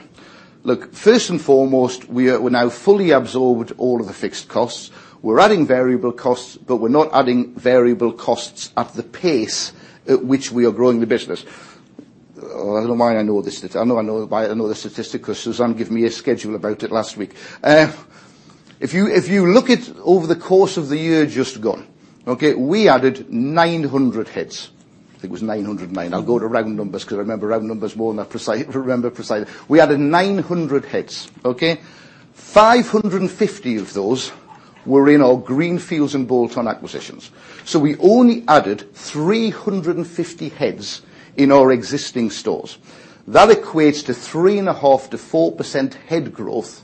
Look, first and foremost, we're now fully absorbed all of the fixed costs. We're adding variable costs, but we're not adding variable costs at the pace at which we are growing the business. I know this. I know the statistic because Suzanne give me a schedule about it last week. If you look at over the course of the year just gone, okay, we added 900 heads. I think it was 909. I'll go to round numbers because I remember round numbers more than I remember precise. We added 900 heads. Okay? 550 of those were in our greenfields and bolt-on acquisitions. We only added 350 heads in our existing stores. That equates to 3.5%-4% head growth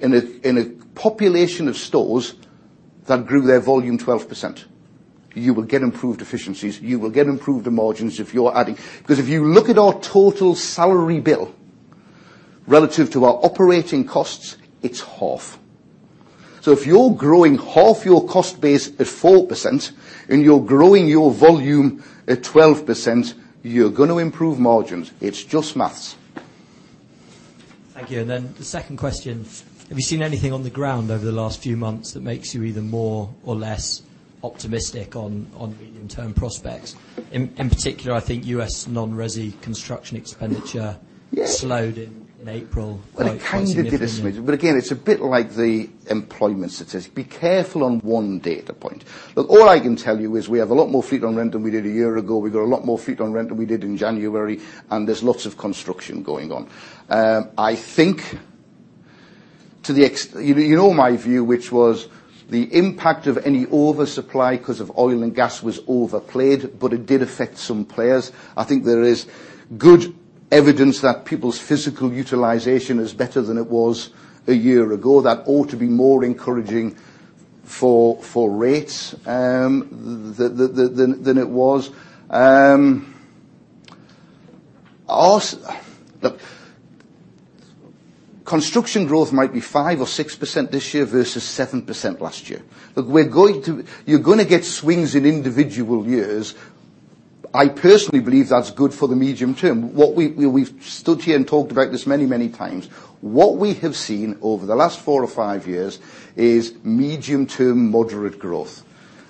in a population of stores that grew their volume 12%. You will get improved efficiencies. You will get improved margins. Because if you look at our total salary bill relative to our operating costs, it's half. If you're growing half your cost base at 4% and you're growing your volume at 12%, you're going to improve margins. It's just math. Thank you. The second question, have you seen anything on the ground over the last few months that makes you even more or less optimistic on medium-term prospects? In particular, I think U.S. non-resi construction expenditure. Yeah slowed in April quite significantly. It kind of did. Again, it's a bit like the employment statistic. Be careful on one data point. All I can tell you is we have a lot more fleet on rent than we did a year ago. We've got a lot more fleet on rent than we did in January, and there's lots of construction going on. You know my view, which was the impact of any oversupply because of oil and gas was overplayed, but it did affect some players. I think there is good evidence that people's physical utilization is better than it was a year ago. That ought to be more encouraging for rates than it was. Construction growth might be 5%-6% this year versus 7% last year. You're going to get swings in individual years. I personally believe that's good for the medium term. We've stood here and talked about this many times. What we have seen over the last four or five years is medium-term moderate growth.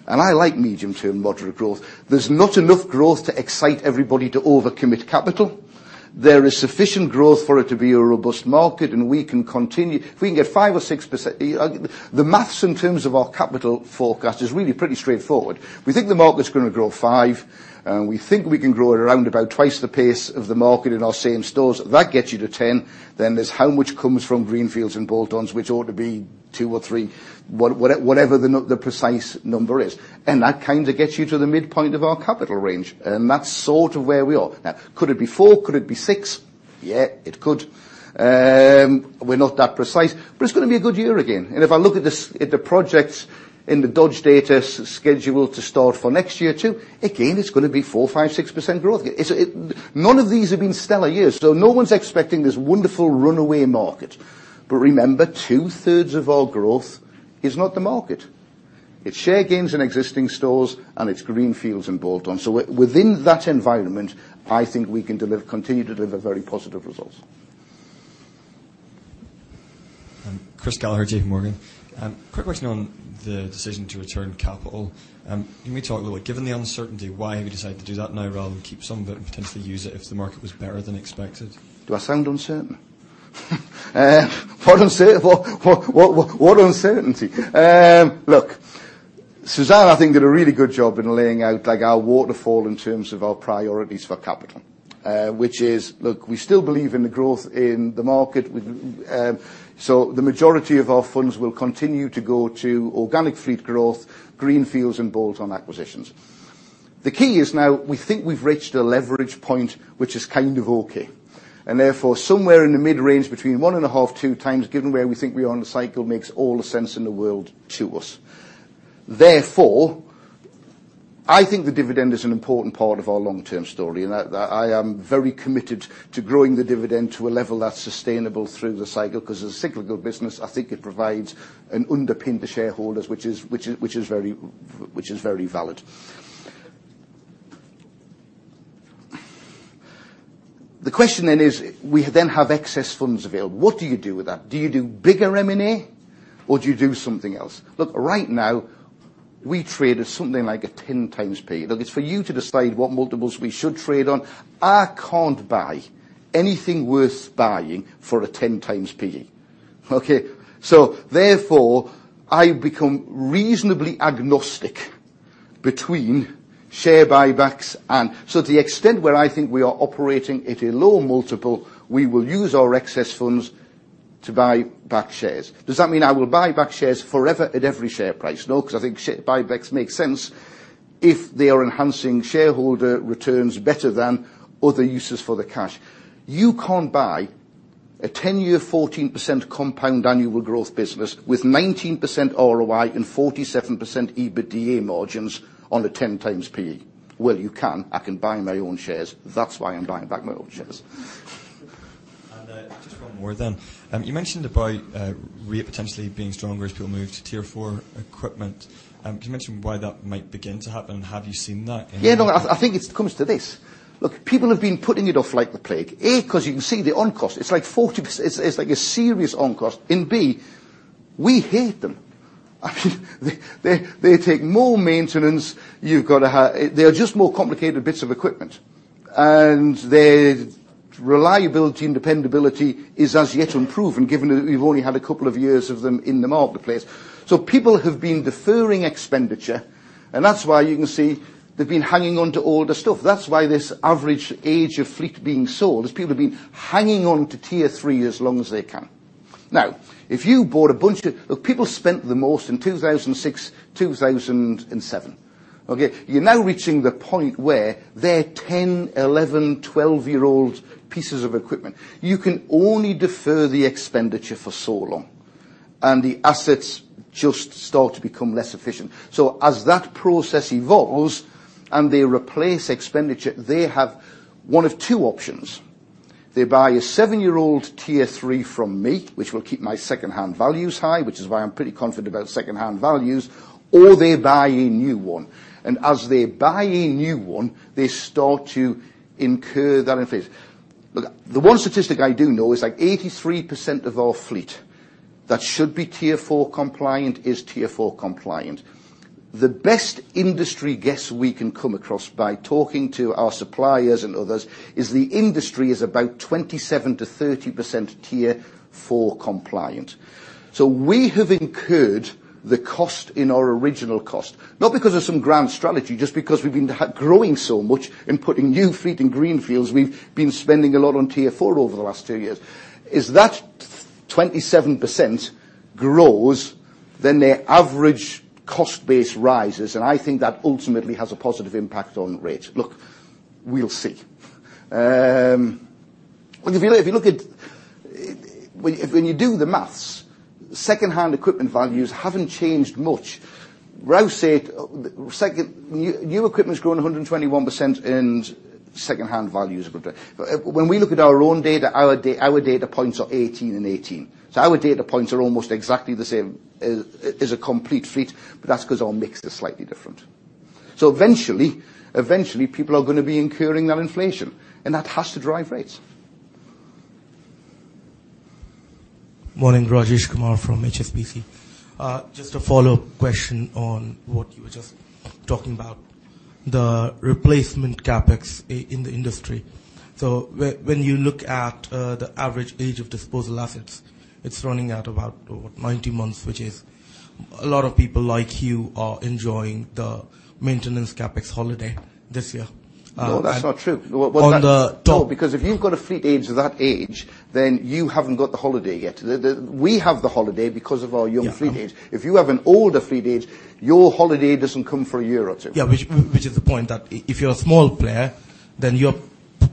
I like medium-term moderate growth. There's not enough growth to excite everybody to overcommit capital. There is sufficient growth for it to be a robust market. We can continue. If we can get 5% or 6%, the math in terms of our capital forecast is really pretty straightforward. We think the market's going to grow five, and we think we can grow it around about twice the pace of the market in our same stores. That gets you to 10. Then there's how much comes from greenfields and bolt-ons, which ought to be two or three, whatever the precise number is. That kind of gets you to the midpoint of our capital range. That's sort of where we are. Could it be four? Could it be six? Yeah, it could. We're not that precise, but it's going to be a good year again. If I look at the projects in the Dodge Data scheduled to start for next year too, again, it's going to be 4%, 5%, 6% growth. None of these have been stellar years. No one's expecting this wonderful runaway market. Remember, two-thirds of our growth is not the market. It's share gains in existing stores and it's greenfields and bolt-ons. Within that environment, I think we can continue to deliver very positive results. Chris Gallagher, J.P. Morgan. Quick question on the decision to return capital. Can we talk a little bit, given the uncertainty, why have you decided to do that now rather than keep some of it and potentially use it if the market was better than expected? Do I sound uncertain? What uncertainty? Look, Suzanne, I think, did a really good job in laying out our waterfall in terms of our priorities for capital. Which is, look, we still believe in the growth in the market, so the majority of our funds will continue to go to organic fleet growth, greenfields and bolt-on acquisitions. The key is now we think we've reached a leverage point which is kind of okay. Therefore, somewhere in the mid-range, between one and a half, two times, given where we think we are in the cycle, makes all the sense in the world to us. Therefore, I think the dividend is an important part of our long-term story, and I am very committed to growing the dividend to a level that's sustainable through the cycle. As a cyclical business, I think it provides an underpin to shareholders, which is very valid. The question is, we then have excess funds available. What do you do with that? Do you do bigger M&A or do you do something else? Right now we trade at something like a 10 times PE. It's for you to decide what multiples we should trade on. I can't buy anything worth buying for a 10 times PE. Okay? Therefore, I become reasonably agnostic between share buybacks. To the extent where I think we are operating at a low multiple, we will use our excess funds to buy back shares. Does that mean I will buy back shares forever at every share price? No. Because I think share buybacks make sense if they are enhancing shareholder returns better than other uses for the cash. You can't buy a 10-year, 14% compound annual growth business with 19% ROI and 47% EBITDA margins on a 10 times PE. You can. I can buy my own shares. That's why I'm buying back my own shares. Just one more. You mentioned about rate potentially being stronger as people move to Tier 4 equipment. Can you mention why that might begin to happen? Have you seen that in- I think it comes to this. People have been putting it off like the plague. A, because you can see the on cost. It's like 40%. It's like a serious on cost. B, we hate them. They take more maintenance. They are just more complicated bits of equipment, and their reliability and dependability is as yet unproven given that we've only had a couple of years of them in the marketplace. People have been deferring expenditure, and that's why you can see they've been hanging on to older stuff. That's why this average age of fleet being sold is people have been hanging on to Tier 3 as long as they can. People spent the most in 2006, 2007. Okay? You're now reaching the point where they're 10, 11, 12-year-old pieces of equipment. You can only defer the expenditure for so long, and the assets just start to become less efficient. As that process evolves, and they replace expenditure, they have one of two options. They buy a seven-year-old Tier 3 from me, which will keep my second-hand values high, which is why I am pretty confident about second-hand values, or they buy a new one. As they buy a new one, they start to incur that phase. Look, the one statistic I do know is like 83% of our fleet that should be Tier 4 compliant is Tier 4 compliant. The best industry guess we can come across by talking to our suppliers and others is the industry is about 27%-30% Tier 4 compliant. We have incurred the cost in our original cost, not because of some grand strategy, just because we have been growing so much and putting new fleet in greenfields. We have been spending a lot on Tier 4 over the last two years. As that 27% grows, then their average cost base rises, and I think that ultimately has a positive impact on rate. Look, we will see. When you do the maths, second-hand equipment values haven't changed much. Rouse said new equipment's grown 121% in second-hand values. When we look at our own data, our data points are 18 and 18. Our data points are almost exactly the same as a complete fleet, but that's because our mix is slightly different. Eventually, people are going to be incurring that inflation, and that has to drive rates. Morning. Rajesh Kumar from HSBC. A follow-up question on what you were just talking about, the replacement CapEx in the industry. When you look at the average age of disposal assets, it's running at about what, 90 months, which is a lot of people like you are enjoying the maintenance CapEx holiday this year. No, that's not true. On the top- No, because if you've got a fleet age of that age, then you haven't got the holiday yet. We have the holiday because of our young fleet age. Yeah. If you have an older fleet age, your holiday doesn't come for a year or two. Yeah. Which is the point, that if you're a small player, then you're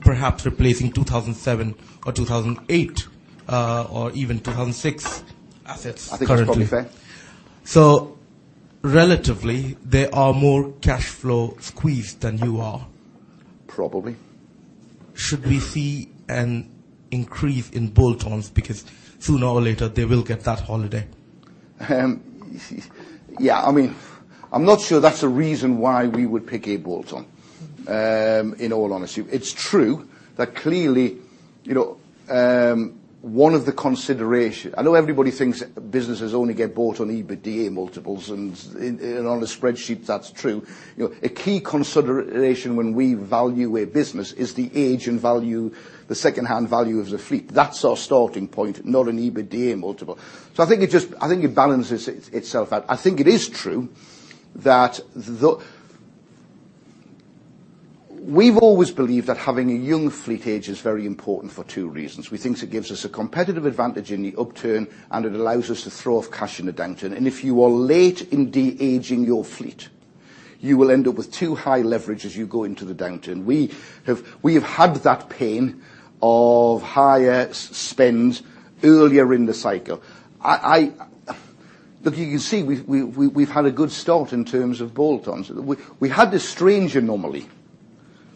perhaps replacing 2007 or 2008, or even 2006 assets currently. I think that's probably fair. Relatively, they are more cash flow squeezed than you are. Probably. Should we see an increase in bolt-ons? Sooner or later, they will get that holiday. Yeah. I'm not sure that's a reason why we would pick a bolt-on, in all honesty. It's true that clearly one of the consideration-- I know everybody thinks businesses only get bought on EBITDA multiples, and on a spreadsheet, that's true. A key consideration when we value a business is the age and value, the secondhand value of the fleet. That's our starting point, not an EBITDA multiple. I think it balances itself out. I think it is true that. We've always believed that having a young fleet age is very important for two reasons. We think it gives us a competitive advantage in the upturn, and it allows us to throw off cash in the downturn. If you are late in de-aging your fleet, you will end up with too high leverage as you go into the downturn. We have had that pain of higher spend earlier in the cycle. Look, you can see we've had a good start in terms of bolt-ons. We had this strange anomaly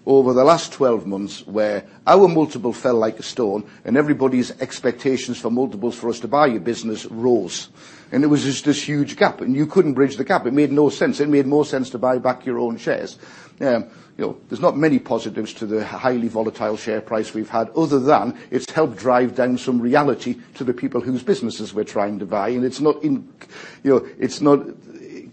over the last 12 months where our multiple fell like a stone and everybody's expectations for multiples for us to buy a business rose. There was just this huge gap, you couldn't bridge the gap. It made no sense. It made more sense to buy back your own shares. There's not many positives to the highly volatile share price we've had other than it's helped drive down some reality to the people whose businesses we're trying to buy. It's not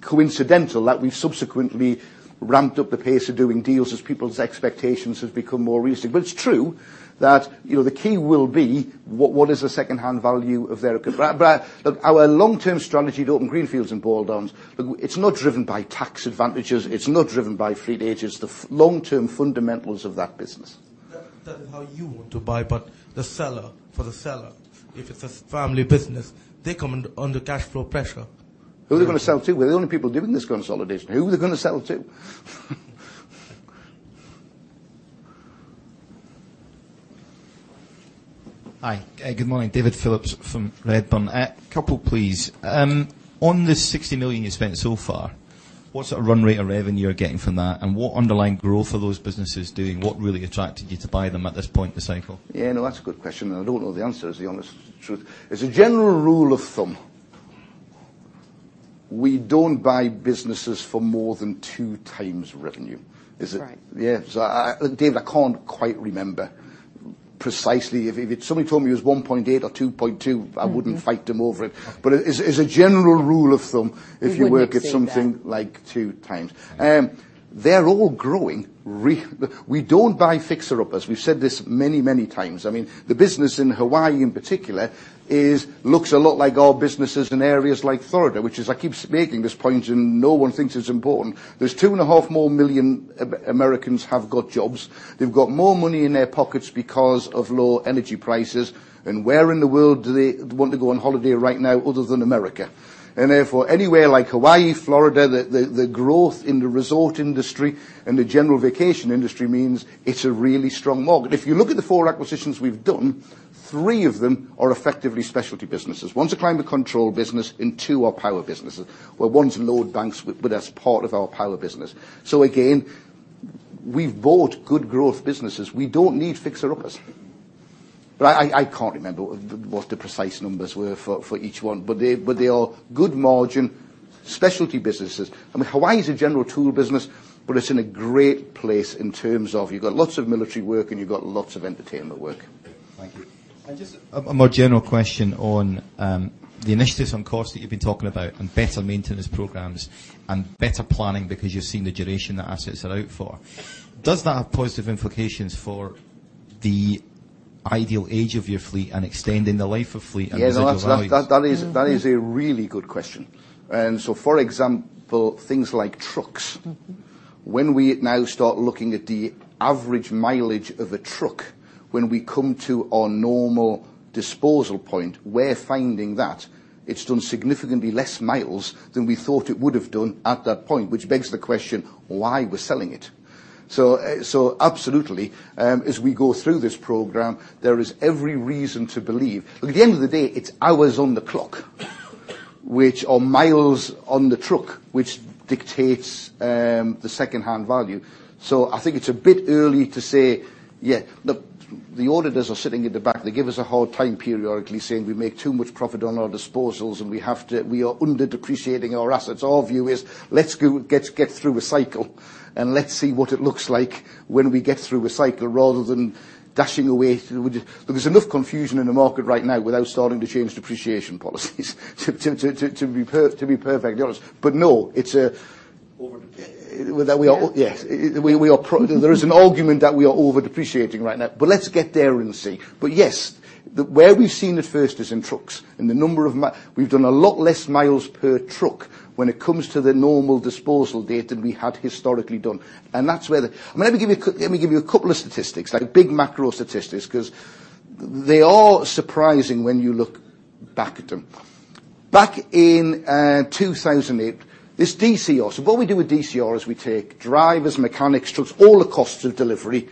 coincidental that we've subsequently ramped up the pace of doing deals as people's expectations have become more realistic. It's true that the key will be what is the secondhand value of their. Our long-term strategy to open greenfields and bolt-ons, look, it's not driven by tax advantages. It's not driven by fleet ages. The long-term fundamentals of that business. That is how you want to buy. The seller, for the seller, if it's a family business, they come under cash flow pressure. Who are they going to sell to? We're the only people doing this consolidation. Who are they going to sell to? Hi. Good morning. David Phillips from Redburn. A couple, please. On this 60 million you spent so far, what sort of run rate of revenue are you getting from that? What underlying growth are those businesses doing? What really attracted you to buy them at this point in the cycle? Yeah, no, that's a good question, I don't know the answer, is the honest truth. As a general rule of thumb, we don't buy businesses for more than 2 times revenue. Right. Yeah. David, I can't quite remember precisely. If somebody told me it was 1.8 or 2.2 I wouldn't fight them over it. As a general rule of thumb, we wouldn't exceed that if you work at something like 2 times. They're all growing. We don't buy fixer-uppers. We've said this many times. The business in Hawaii in particular looks a lot like our businesses in areas like Florida, which is, I keep making this point and no one thinks it's important. There's 2.5 million more Americans have got jobs. They've got more money in their pockets because of low energy prices. Where in the world do they want to go on holiday right now other than America? Anywhere like Hawaii, Florida, the growth in the resort industry and the general vacation industry means it's a really strong market. If you look at the 4 acquisitions we've done, 3 of them are effectively specialty businesses. One's a climate control business, 2 are power businesses. Well, one's load banks, but that's part of our power business. Again, we've bought good growth businesses. We don't need fixer-uppers. I can't remember what the precise numbers were for each one, but they are good margin specialty businesses. Hawaii's a general tool business, but it's in a great place in terms of you've got lots of military work, and you've got lots of entertainment work. Thank you. Just a more general question on the initiatives on cost that you've been talking about, and better maintenance programs, and better planning because you're seeing the duration that assets are out for. Does that have positive implications for the ideal age of your fleet and extending the life of fleet and residual value? Yes, that is a really good question. For example, things like trucks. When we now start looking at the average mileage of a truck when we come to our normal disposal point, we're finding that it's done significantly less miles than we thought it would've done at that point, which begs the question why we're selling it. Absolutely. As we go through this program, there is every reason to believe At the end of the day, it's hours on the clock which, or miles on the truck, which dictates the secondhand value. I think it's a bit early to say, yeah. Look, the auditors are sitting at the back. They give us a hard time periodically saying we make too much profit on our disposals, and we are under-depreciating our assets. Our view is, let's get through a cycle, let's see what it looks like when we get through a cycle rather than dashing away. There's enough confusion in the market right now without starting to change depreciation policies to be perfectly honest. No. Over-depreciating. Yes. There is an argument that we are over-depreciating right now. Let's get there and see. Yes. Where we've seen it first is in trucks, in the number of We've done a lot less miles per truck when it comes to the normal disposal date than we had historically done. Let me give you a couple of statistics, like big macro statistics, because they are surprising when you look back at them. Back in 2008, this DCR. What we do with DCR is we take drivers, mechanics, trucks, all the costs of delivery,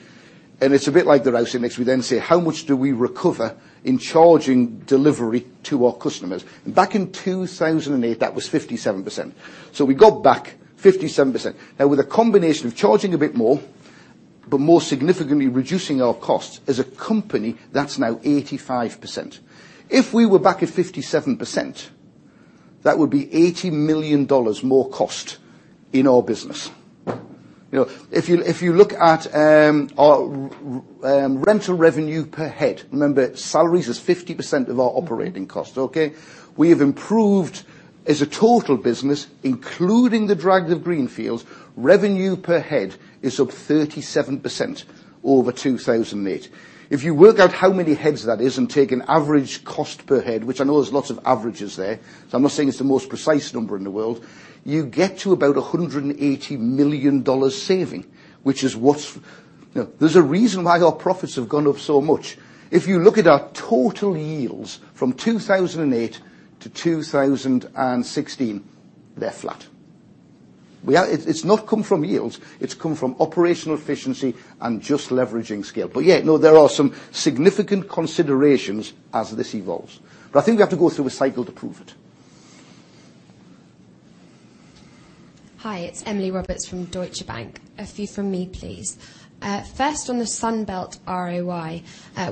it's a bit like the Rouse index. We say, "How much do we recover in charging delivery to our customers?" Back in 2008, that was 57%. We got back 57%. With a combination of charging a bit more more significantly, reducing our costs as a company, that's now 85%. If we were back at 57%, that would be GBP 80 million more cost in our business. If you look at our rental revenue per head, remember, salaries is 50% of our operating cost, okay? We have improved, as a total business, including the drag of greenfields, revenue per head is up 37% over 2008. If you work out how many heads that is and take an average cost per head, which I know there's lots of averages there, I'm not saying it's the most precise number in the world, you get to about GBP 180 million saving. There's a reason why our profits have gone up so much. If you look at our total yields from 2008 to 2016, they're flat. It's not come from yields. It's come from operational efficiency and just leveraging scale. Yeah, no, there are some significant considerations as this evolves. I think we have to go through a cycle to prove it. Hi, it's Emily Roberts from Deutsche Bank. A few from me, please. First, on the Sunbelt ROI,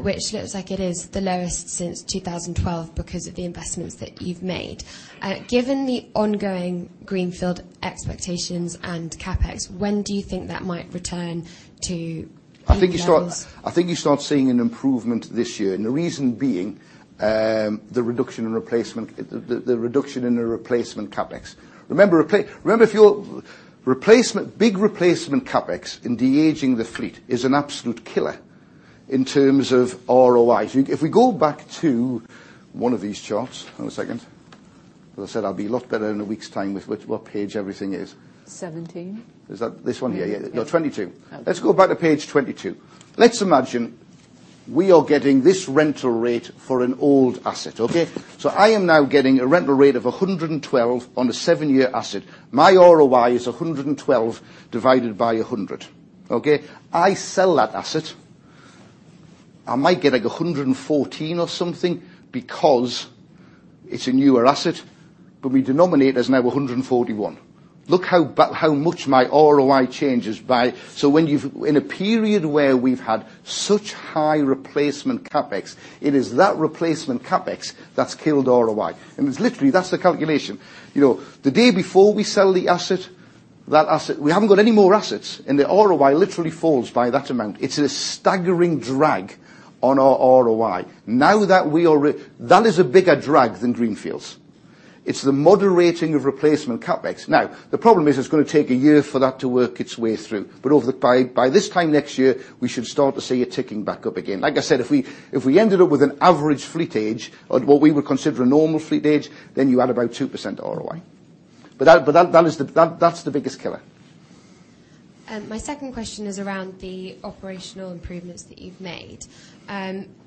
which looks like it is the lowest since 2012 because of the investments that you've made. Given the ongoing greenfield expectations and CapEx, when do you think that might return to peak levels? I think you start seeing an improvement this year, the reason being, the reduction in the replacement CapEx. Remember, big replacement CapEx in de-aging the fleet is an absolute killer in terms of ROIs. If we go back to one of these charts, hang on a second. As I said, I'll be a lot better in a week's time with what page everything is. 17. Is that this one here? Yeah. Yeah. No, 22. Let's go back to page 22. Let's imagine we are getting this rental rate for an old asset, okay? I am now getting a rental rate of 112 on a seven-year asset. My ROI is 112 divided by 100, okay? I sell that asset. I might get, like, 114 or something because it's a newer asset, but we denominate as now 141. Look how much my ROI changes by. In a period where we've had such high replacement CapEx, it is that replacement CapEx that's killed ROI. It's literally, that's the calculation. The day before we sell the asset, we haven't got any more assets, the ROI literally falls by that amount. It's a staggering drag on our ROI. That is a bigger drag than greenfields. It's the moderating of replacement CapEx. The problem is it's going to take a year for that to work its way through. By this time next year, we should start to see it ticking back up again. Like I said, if we ended up with an average fleet age at what we would consider a normal fleet age, then you add about 2% ROI. That's the biggest killer. My second question is around the operational improvements that you've made.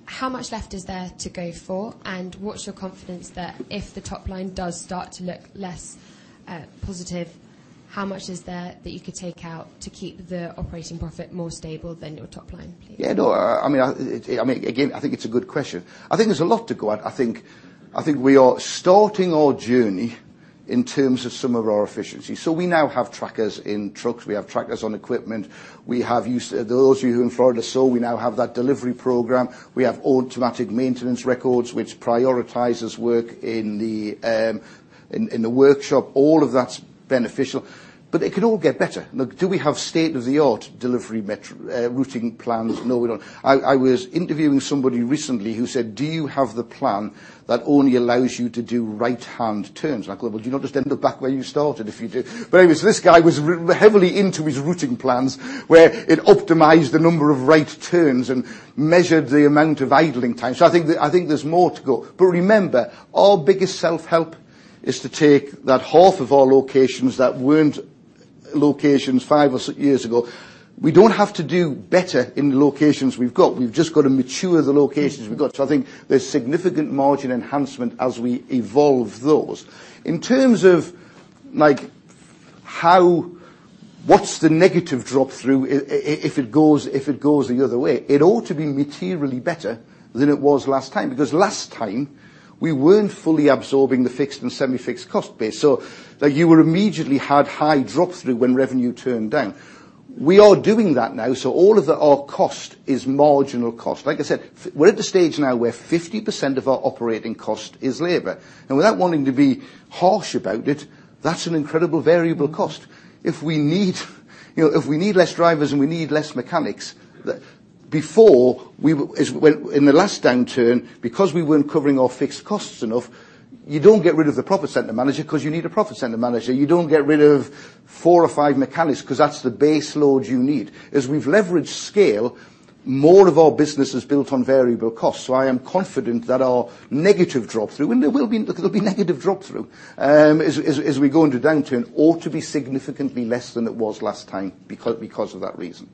How much left is there to go for, and what's your confidence that if the top line does start to look less positive, how much is there that you could take out to keep the operating profit more stable than your top line, please? Yeah, no. Again, I think it's a good question. I think there's a lot to go at. I think we are starting our journey in terms of some of our efficiency. We now have trackers in trucks. We have trackers on equipment. Those of you in Florida saw we now have that delivery program. We have automatic maintenance records, which prioritizes work in the workshop. All of that's beneficial. It could all get better. Now, do we have state-of-the-art delivery routing plans? No, we don't. I was interviewing somebody recently who said, "Do you have the plan that only allows you to do right-hand turns?" I go, "Well, would you not just end up back where you started if you did?" Anyways, this guy was heavily into his routing plans where it optimized the number of right turns and measured the amount of idling time. I think there's more to go. Remember, our biggest self-help is to take that half of our locations that weren't locations five or six years ago. We don't have to do better in the locations we've got. We've just got to mature the locations we've got. I think there's significant margin enhancement as we evolve those. In terms of what's the negative drop-through if it goes the other way? It ought to be materially better than it was last time because last time we weren't fully absorbing the fixed and semi-fixed cost base. You will immediately have high drop-through when revenue turned down. We are doing that now, all of our cost is marginal cost. Like I said, we're at the stage now where 50% of our operating cost is labor. Without wanting to be harsh about it, that's an incredible variable cost. If we need less drivers and we need less mechanics. In the last downturn, because we weren't covering our fixed costs enough, you don't get rid of the profit center manager because you need a profit center manager. You don't get rid of four or five mechanics because that's the base load you need. As we've leveraged scale, more of our business is built on variable cost. I am confident that our negative drop-through, and there will be negative drop-through as we go into downturn, ought to be significantly less than it was last time because of that reason.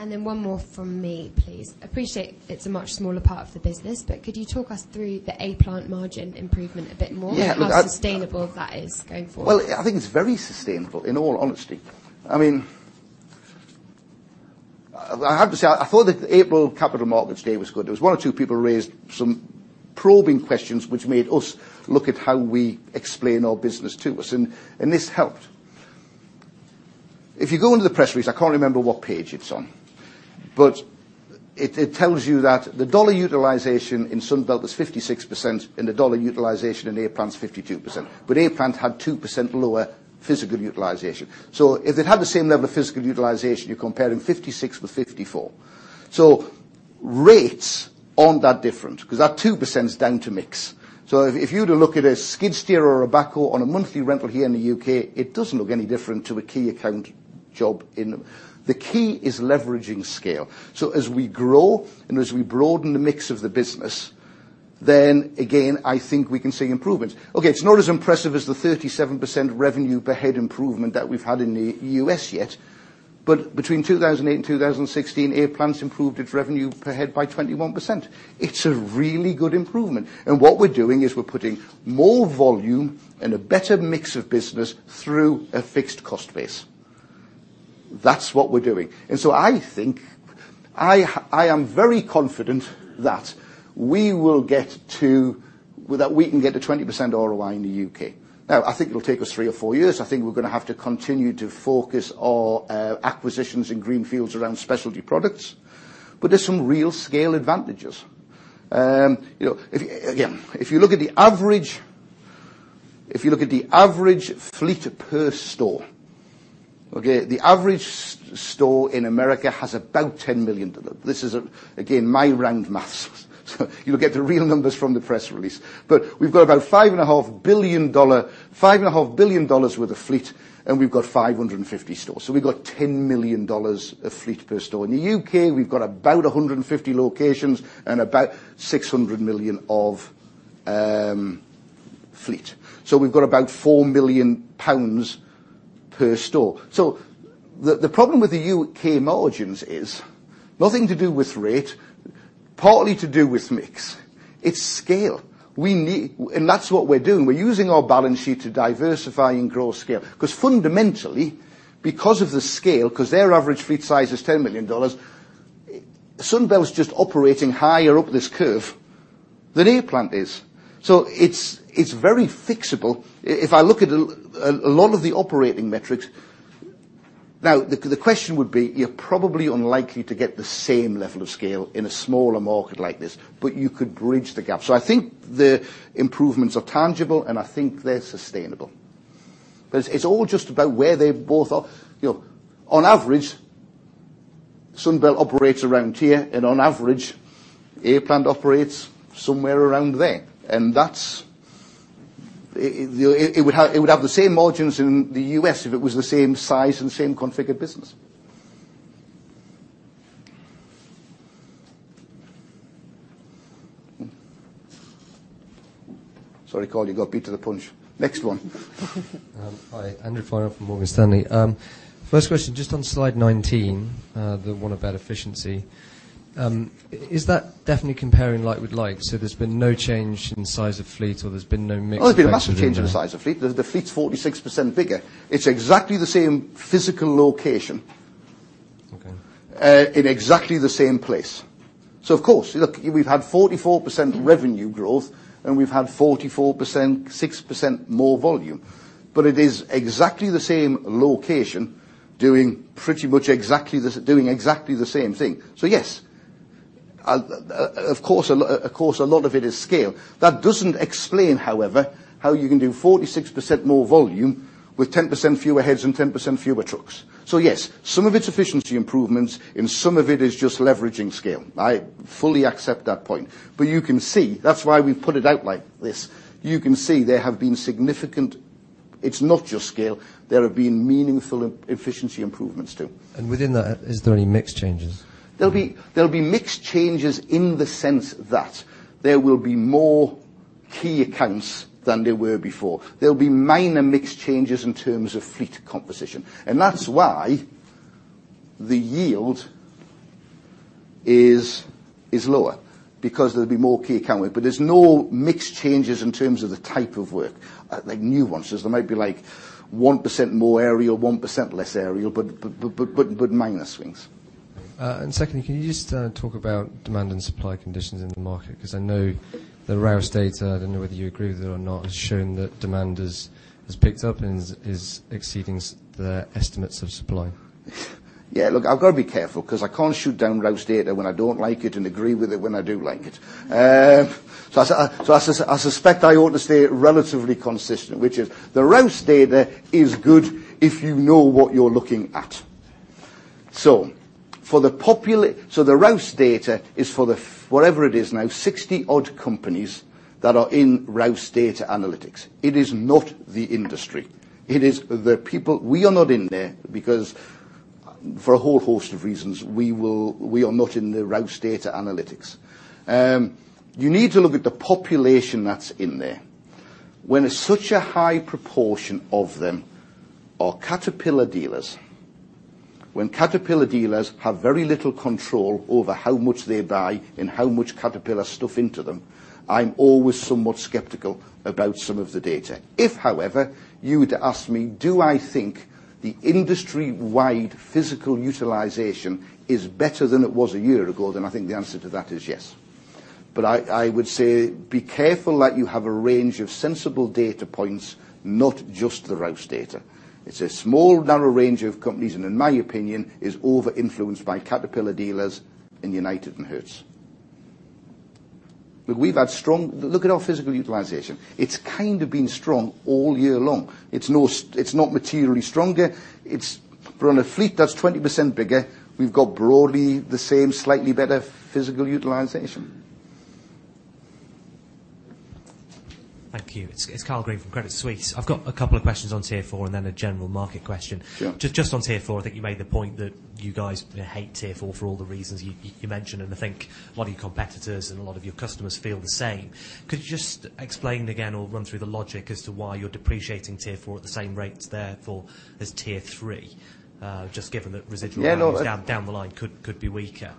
One more from me, please. Appreciate it's a much smaller part of the business, but could you talk us through the A-Plant margin improvement a bit more? Yeah. How sustainable that is going forward? Well, I think it's very sustainable, in all honesty. I have to say, I thought the April Capital Markets Day was good. There was one or two people who raised probing questions which made us look at how we explain our business to us, and this helped. If you go into the press release, I can't remember what page it's on, but it tells you that the dollar utilization in Sunbelt is 56% and the dollar utilization in A-Plant's 52%, but A-Plant had 2% lower physical utilization. If it had the same level of physical utilization, you're comparing 56 with 54. Rates aren't that different because that 2% is down to mix. If you were to look at a skid steer or a backhoe on a monthly rental here in the U.K., it doesn't look any different to a key account job in them. The key is leveraging scale. As we grow and as we broaden the mix of the business, then again, I think we can see improvements. Okay, it's not as impressive as the 37% revenue per head improvement that we've had in the U.S. yet, but between 2008 and 2016, A-Plant improved its revenue per head by 21%. It's a really good improvement. What we're doing is we're putting more volume and a better mix of business through a fixed cost base. That's what we're doing. I think, I am very confident that we can get to 20% ROI in the U.K. Now, I think it'll take us three or four years. I think we're going to have to continue to focus our acquisitions in greenfields around specialty products. There are some real scale advantages. Again, if you look at the average fleet per store. The average store in the U.S. has about $10 million. This is, again, my round math. You'll get the real numbers from the press release. We've got about $5.5 billion worth of fleet, and we've got 550 stores. We've got $10 million of fleet per store. In the U.K., we've got about 600 million of fleet. We've got about 4 million pounds per store. The problem with the U.K. margins is nothing to do with rate, partly to do with mix. It's scale. That's what we're doing. We're using our balance sheet to diversify and grow scale. Because fundamentally, because of the scale, because their average fleet size is $10 million, Sunbelt is just operating higher up this curve than A-Plant is. It's very fixable. If I look at a lot of the operating metrics. The question would be, you're probably unlikely to get the same level of scale in a smaller market like this, but you could bridge the gap. I think the improvements are tangible, and I think they're sustainable. Because it's all just about where they both are. On average, Sunbelt operates around here, and on average, A-Plant operates somewhere around there. It would have the same margins in the U.S. if it was the same size and same configured business. Sorry, Carl, you got beat to the punch. Next one. Hi. Andrew Flynn from Morgan Stanley. First question, just on slide 19, the one about efficiency. Is that definitely comparing like with like? There's been no change in size of fleet, or there's been no mix change? There's been a massive change in the size of fleet. The fleet's 46% bigger. It's exactly the same physical location. Okay. In exactly the same place. Of course. Look, we've had 44% revenue growth, and we've had 44%, 6% more volume. It is exactly the same location doing exactly the same thing. Yes. Of course, a lot of it is scale. That doesn't explain, however, how you can do 46% more volume with 10% fewer heads and 10% fewer trucks. Yes, some of it's efficiency improvements, and some of it is just leveraging scale. I fully accept that point. You can see that's why we put it out like this. You can see there have been significant It's not just scale. There have been meaningful efficiency improvements, too. Within that, is there any mix changes? There'll be mix changes in the sense that there will be more key accounts than there were before. There'll be minor mix changes in terms of fleet composition, and that's why the yield is lower, because there'll be more key accounting. There's no mix changes in terms of the type of work, like nuances. There might be 1% more aerial, 1% less aerial, but minor swings. Secondly, can you just talk about demand and supply conditions in the market? Because I know the Rouse data, I don't know whether you agree with it or not, has shown that demand has picked up and is exceeding the estimates of supply. Yeah, look, I've got to be careful because I can't shoot down Rouse data when I don't like it and agree with it when I do like it. I suspect I ought to stay relatively consistent, which is the Rouse data is good if you know what you're looking at. The Rouse data is for the, whatever it is now, 60-odd companies that are in Rouse data analytics. It is not the industry. We are not in there because for a whole host of reasons, we are not in the Rouse data analytics. You need to look at the population that's in there. When such a high proportion of them are Caterpillar dealers, when Caterpillar dealers have very little control over how much they buy and how much Caterpillar stuff into them, I'm always somewhat skeptical about some of the data. If, however, you were to ask me, do I think the industry-wide physical utilization is better than it was a year ago, I think the answer to that is yes. I would say be careful that you have a range of sensible data points, not just the Rouse data. It's a small, narrow range of companies and in my opinion, is over-influenced by Caterpillar dealers and United and Herc. Look at our physical utilization. It's kind of been strong all year long. It's not materially stronger. On a fleet that's 20% bigger, we've got broadly the same, slightly better physical utilization. Thank you. It's Carl Green from Credit Suisse. I've got a couple of questions on Tier 4, a general market question. Yeah. Just on Tier 4, I think you made the point that you guys hate Tier 4 for all the reasons you mentioned, and I think a lot of your competitors and a lot of your customers feel the same. Could you just explain again or run through the logic as to why you're depreciating Tier 4 at the same rates therefore as Tier 3? Just given that residual- Yeah, no, that's down the line could be weaker.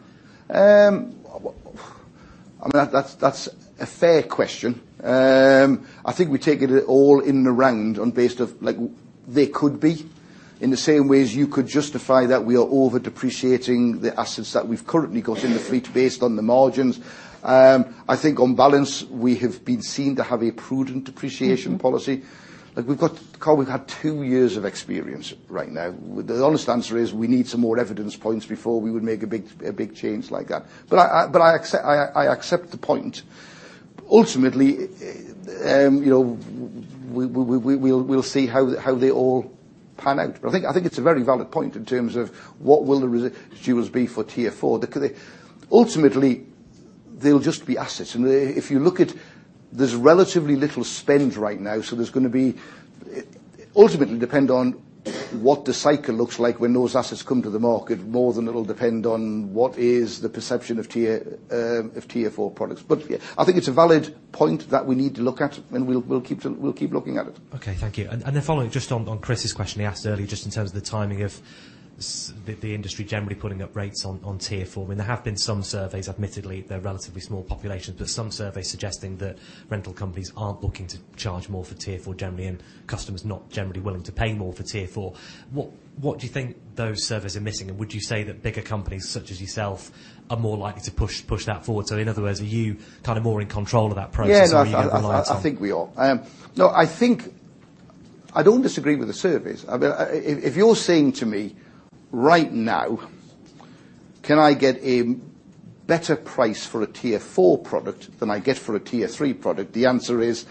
That's a fair question. I think we take it all in the round on based of like they could be, in the same way as you could justify that we are over-depreciating the assets that we've currently got in the fleet based on the margins. I think on balance, we have been seen to have a prudent depreciation policy. Carl, we've had two years of experience right now. The honest answer is we need some more evidence points before we would make a big change like that. I accept the point. Ultimately, we'll see how they all pan out. I think it's a very valid point in terms of what will the residuals be for Tier 4. Ultimately, they'll just be assets. There's relatively little spend right now. Ultimately depend on what the cycle looks like when those assets come to the market more than it'll depend on what is the perception of Tier 4 products. Yeah, I think it's a valid point that we need to look at, and we'll keep looking at it. Okay. Thank you. Following just on Chris's question he asked earlier, just in terms of the timing of the industry generally putting up rates on Tier 4, there have been some surveys, admittedly they're relatively small populations, but some surveys suggesting that rental companies are looking to charge more for Tier 4 generally and customers not generally willing to pay more for Tier 4. What do you think those surveys are missing? Would you say that bigger companies such as yourself are more likely to push that forward? In other words, are you more in control of that process- Yeah, no- or are you relying on- I think we are. No, I don't disagree with the surveys. If you're saying to me right now, can I get a better price for a Tier 4 product than I get for a Tier 3 product? The answer is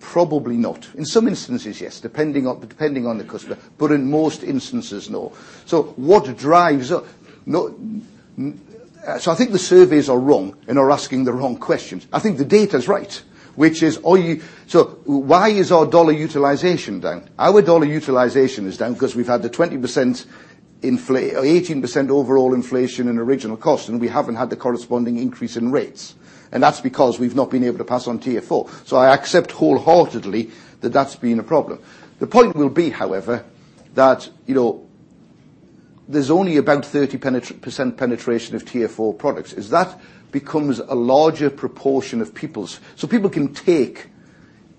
probably not. In some instances, yes, depending on the customer. In most instances, no. I think the surveys are wrong and are asking the wrong questions. I think the data's right. Why is our dollar utilization down? Our dollar utilization is down because we've had the 18% overall inflation in original cost, we haven't had the corresponding increase in rates. That's because we've not been able to pass on Tier 4. I accept wholeheartedly that that's been a problem. The point will be, however, that there's only about 30% penetration of Tier 4 products. As that becomes a larger proportion of people's. People can take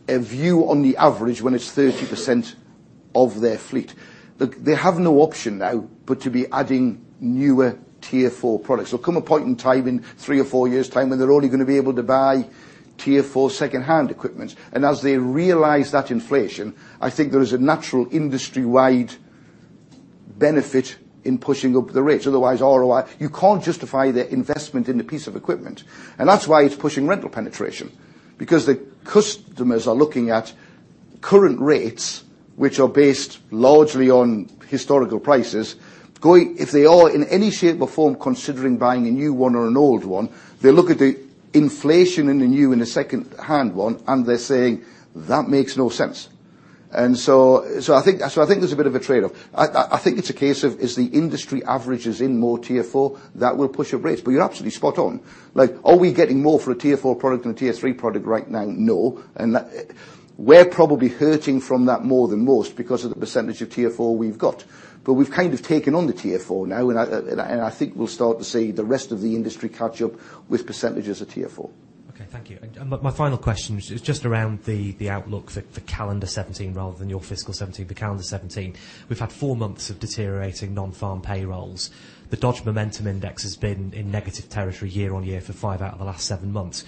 a view on the average when it's 30% of their fleet. Look, they have no option now but to be adding newer Tier 4 products. There'll come a point in time in three or four years' time when they're only going to be able to buy Tier 4 secondhand equipment. As they realize that inflation, I think there is a natural industry-wide benefit in pushing up the rates. Otherwise, ROI, you can't justify the investment in the piece of equipment. That's why it's pushing rental penetration, because the customers are looking at current rates, which are based largely on historical prices. If they are in any shape or form considering buying a new one or an old one, they look at the inflation in the new and the secondhand one, and they're saying, "That makes no sense." I think there's a bit of a trade-off. I think it's a case of is the industry averages in more Tier 4? That will push up rates. You're absolutely spot on. Are we getting more for a Tier 4 product than a Tier 3 product right now? No. We're probably hurting from that more than most because of the percentage of Tier 4 we've got. We've kind of taken on the Tier 4 now, and I think we'll start to see the rest of the industry catch up with percentages of Tier 4. Okay. Thank you. My final question is just around the outlook for calendar 2017 rather than your fiscal 2017. Calendar 2017, we've had four months of deteriorating non-farm payrolls. The Dodge Momentum Index has been in negative territory year-on-year for five out of the last seven months.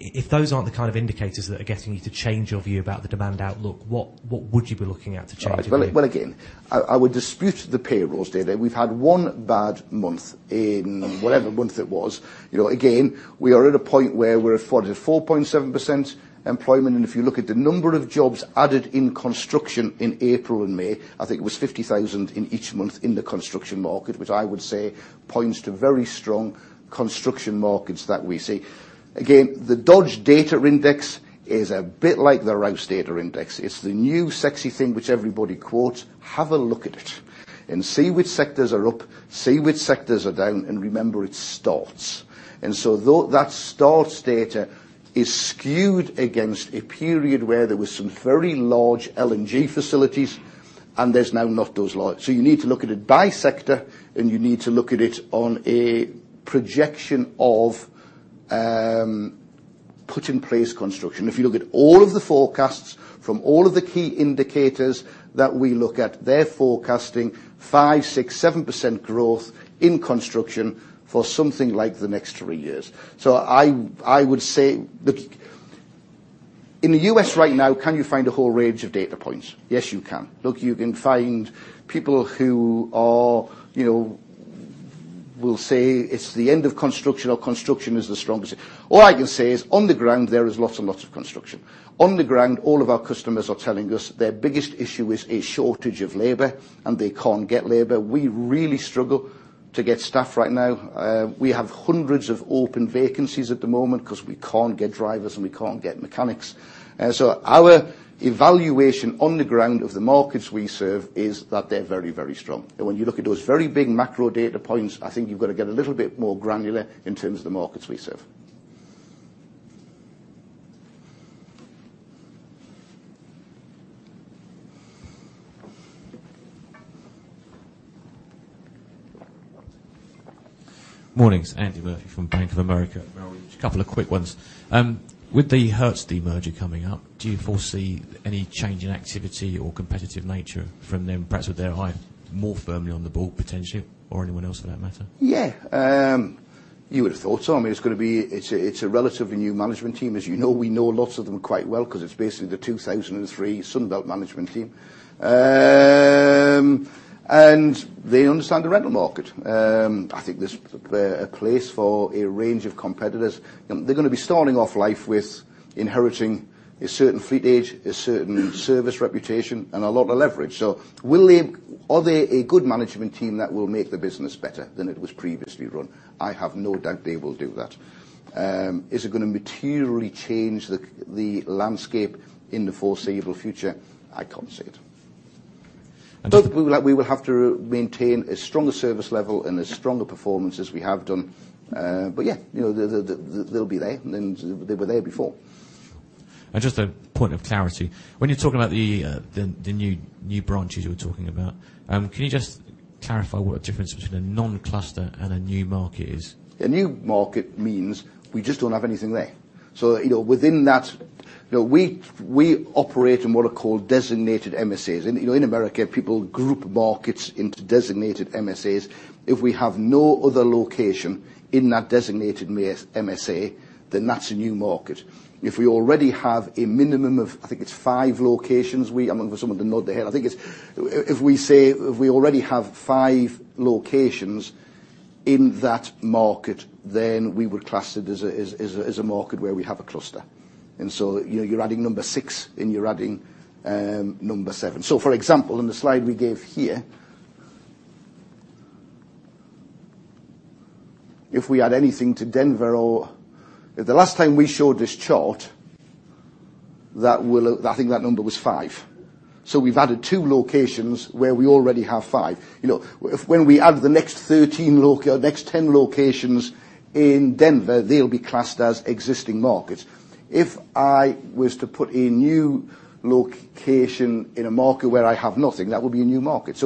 If those aren't the kind of indicators that are getting you to change your view about the demand outlook, what would you be looking at to change your view? Right. Well, again, I would dispute the payrolls data. We've had one bad month in whatever month it was. Again, we are at a point where we're afforded 4.7% employment, and if you look at the number of jobs added in construction in April and May, I think it was 50,000 in each month in the construction market, which I would say points to very strong construction markets that we see. Again, the Dodge Data index is a bit like the Rouse data index. It's the new sexy thing which everybody quotes. Have a look at it and see which sectors are up, see which sectors are down, and remember it starts. That starts data is skewed against a period where there was some very large LNG facilities and there's now not those large. You need to look at it by sector and you need to look at it on a projection of Put in place construction. If you look at all of the forecasts from all of the key indicators that we look at, they're forecasting 5%, 6%, 7% growth in construction for something like the next three years. I would say, look, in the U.S. right now, can you find a whole range of data points? Yes, you can. Look, you can find people who will say it's the end of construction, or construction is the strongest. All I can say is on the ground, there is lots and lots of construction. On the ground, all of our customers are telling us their biggest issue is a shortage of labor, and they can't get labor. We really struggle to get staff right now. We have hundreds of open vacancies at the moment because we can't get drivers, and we can't get mechanics. Our evaluation on the ground of the markets we serve is that they're very strong. When you look at those very big macro data points, I think you've got to get a little bit more granular in terms of the markets we serve. Morning. It's Andy Murphy from Bank of America. Morning. Just a couple of quick ones. With the Hertz demerger coming up, do you foresee any change in activity or competitive nature from them, perhaps with their eye more firmly on the ball, potentially, or anyone else for that matter? Yeah. You would have thought so. I mean, it's a relatively new management team. As you know, we know lots of them quite well because it's basically the 2003 Sunbelt management team. They understand the rental market. I think there's a place for a range of competitors. They're going to be starting off life with inheriting a certain fleet age, a certain service reputation, and a lot of leverage. Are they a good management team that will make the business better than it was previously run? I have no doubt they will do that. Is it going to materially change the landscape in the foreseeable future? I can't say it. We will have to maintain a stronger service level and as strong a performance as we have done. Yeah, they'll be there, and they were there before. Just a point of clarity. When you're talking about the new branches you were talking about, can you just clarify what a difference between a non-cluster and a new market is? A new market means we just don't have anything there. Within that, we operate in what are called designated MSAs. In America, people group markets into designated MSAs. If we have no other location in that designated MSA, then that's a new market. If we already have a minimum of, I think it's five locations, I'm waiting for someone to nod their head. If we already have five locations in that market, then we would class it as a market where we have a cluster. You're adding number six and you're adding number seven. For example, in the slide we gave here, if we add anything to Denver or The last time we showed this chart, I think that number was five. We've added two locations where we already have five. When we add the next 10 locations in Denver, they'll be classed as existing markets. If I was to put a new location in a market where I have nothing, that would be a new market.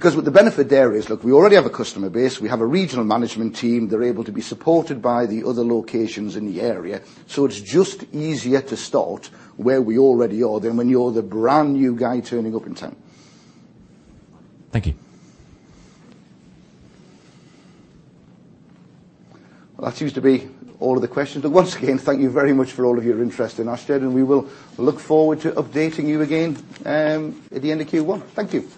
What the benefit there is, look, we already have a customer base. We have a regional management team. They're able to be supported by the other locations in the area. It's just easier to start where we already are than when you're the brand-new guy turning up in town. Thank you. Well, that seems to be all of the questions. Once again, thank you very much for all of your interest in Ashtead, and we will look forward to updating you again at the end of Q1. Thank you.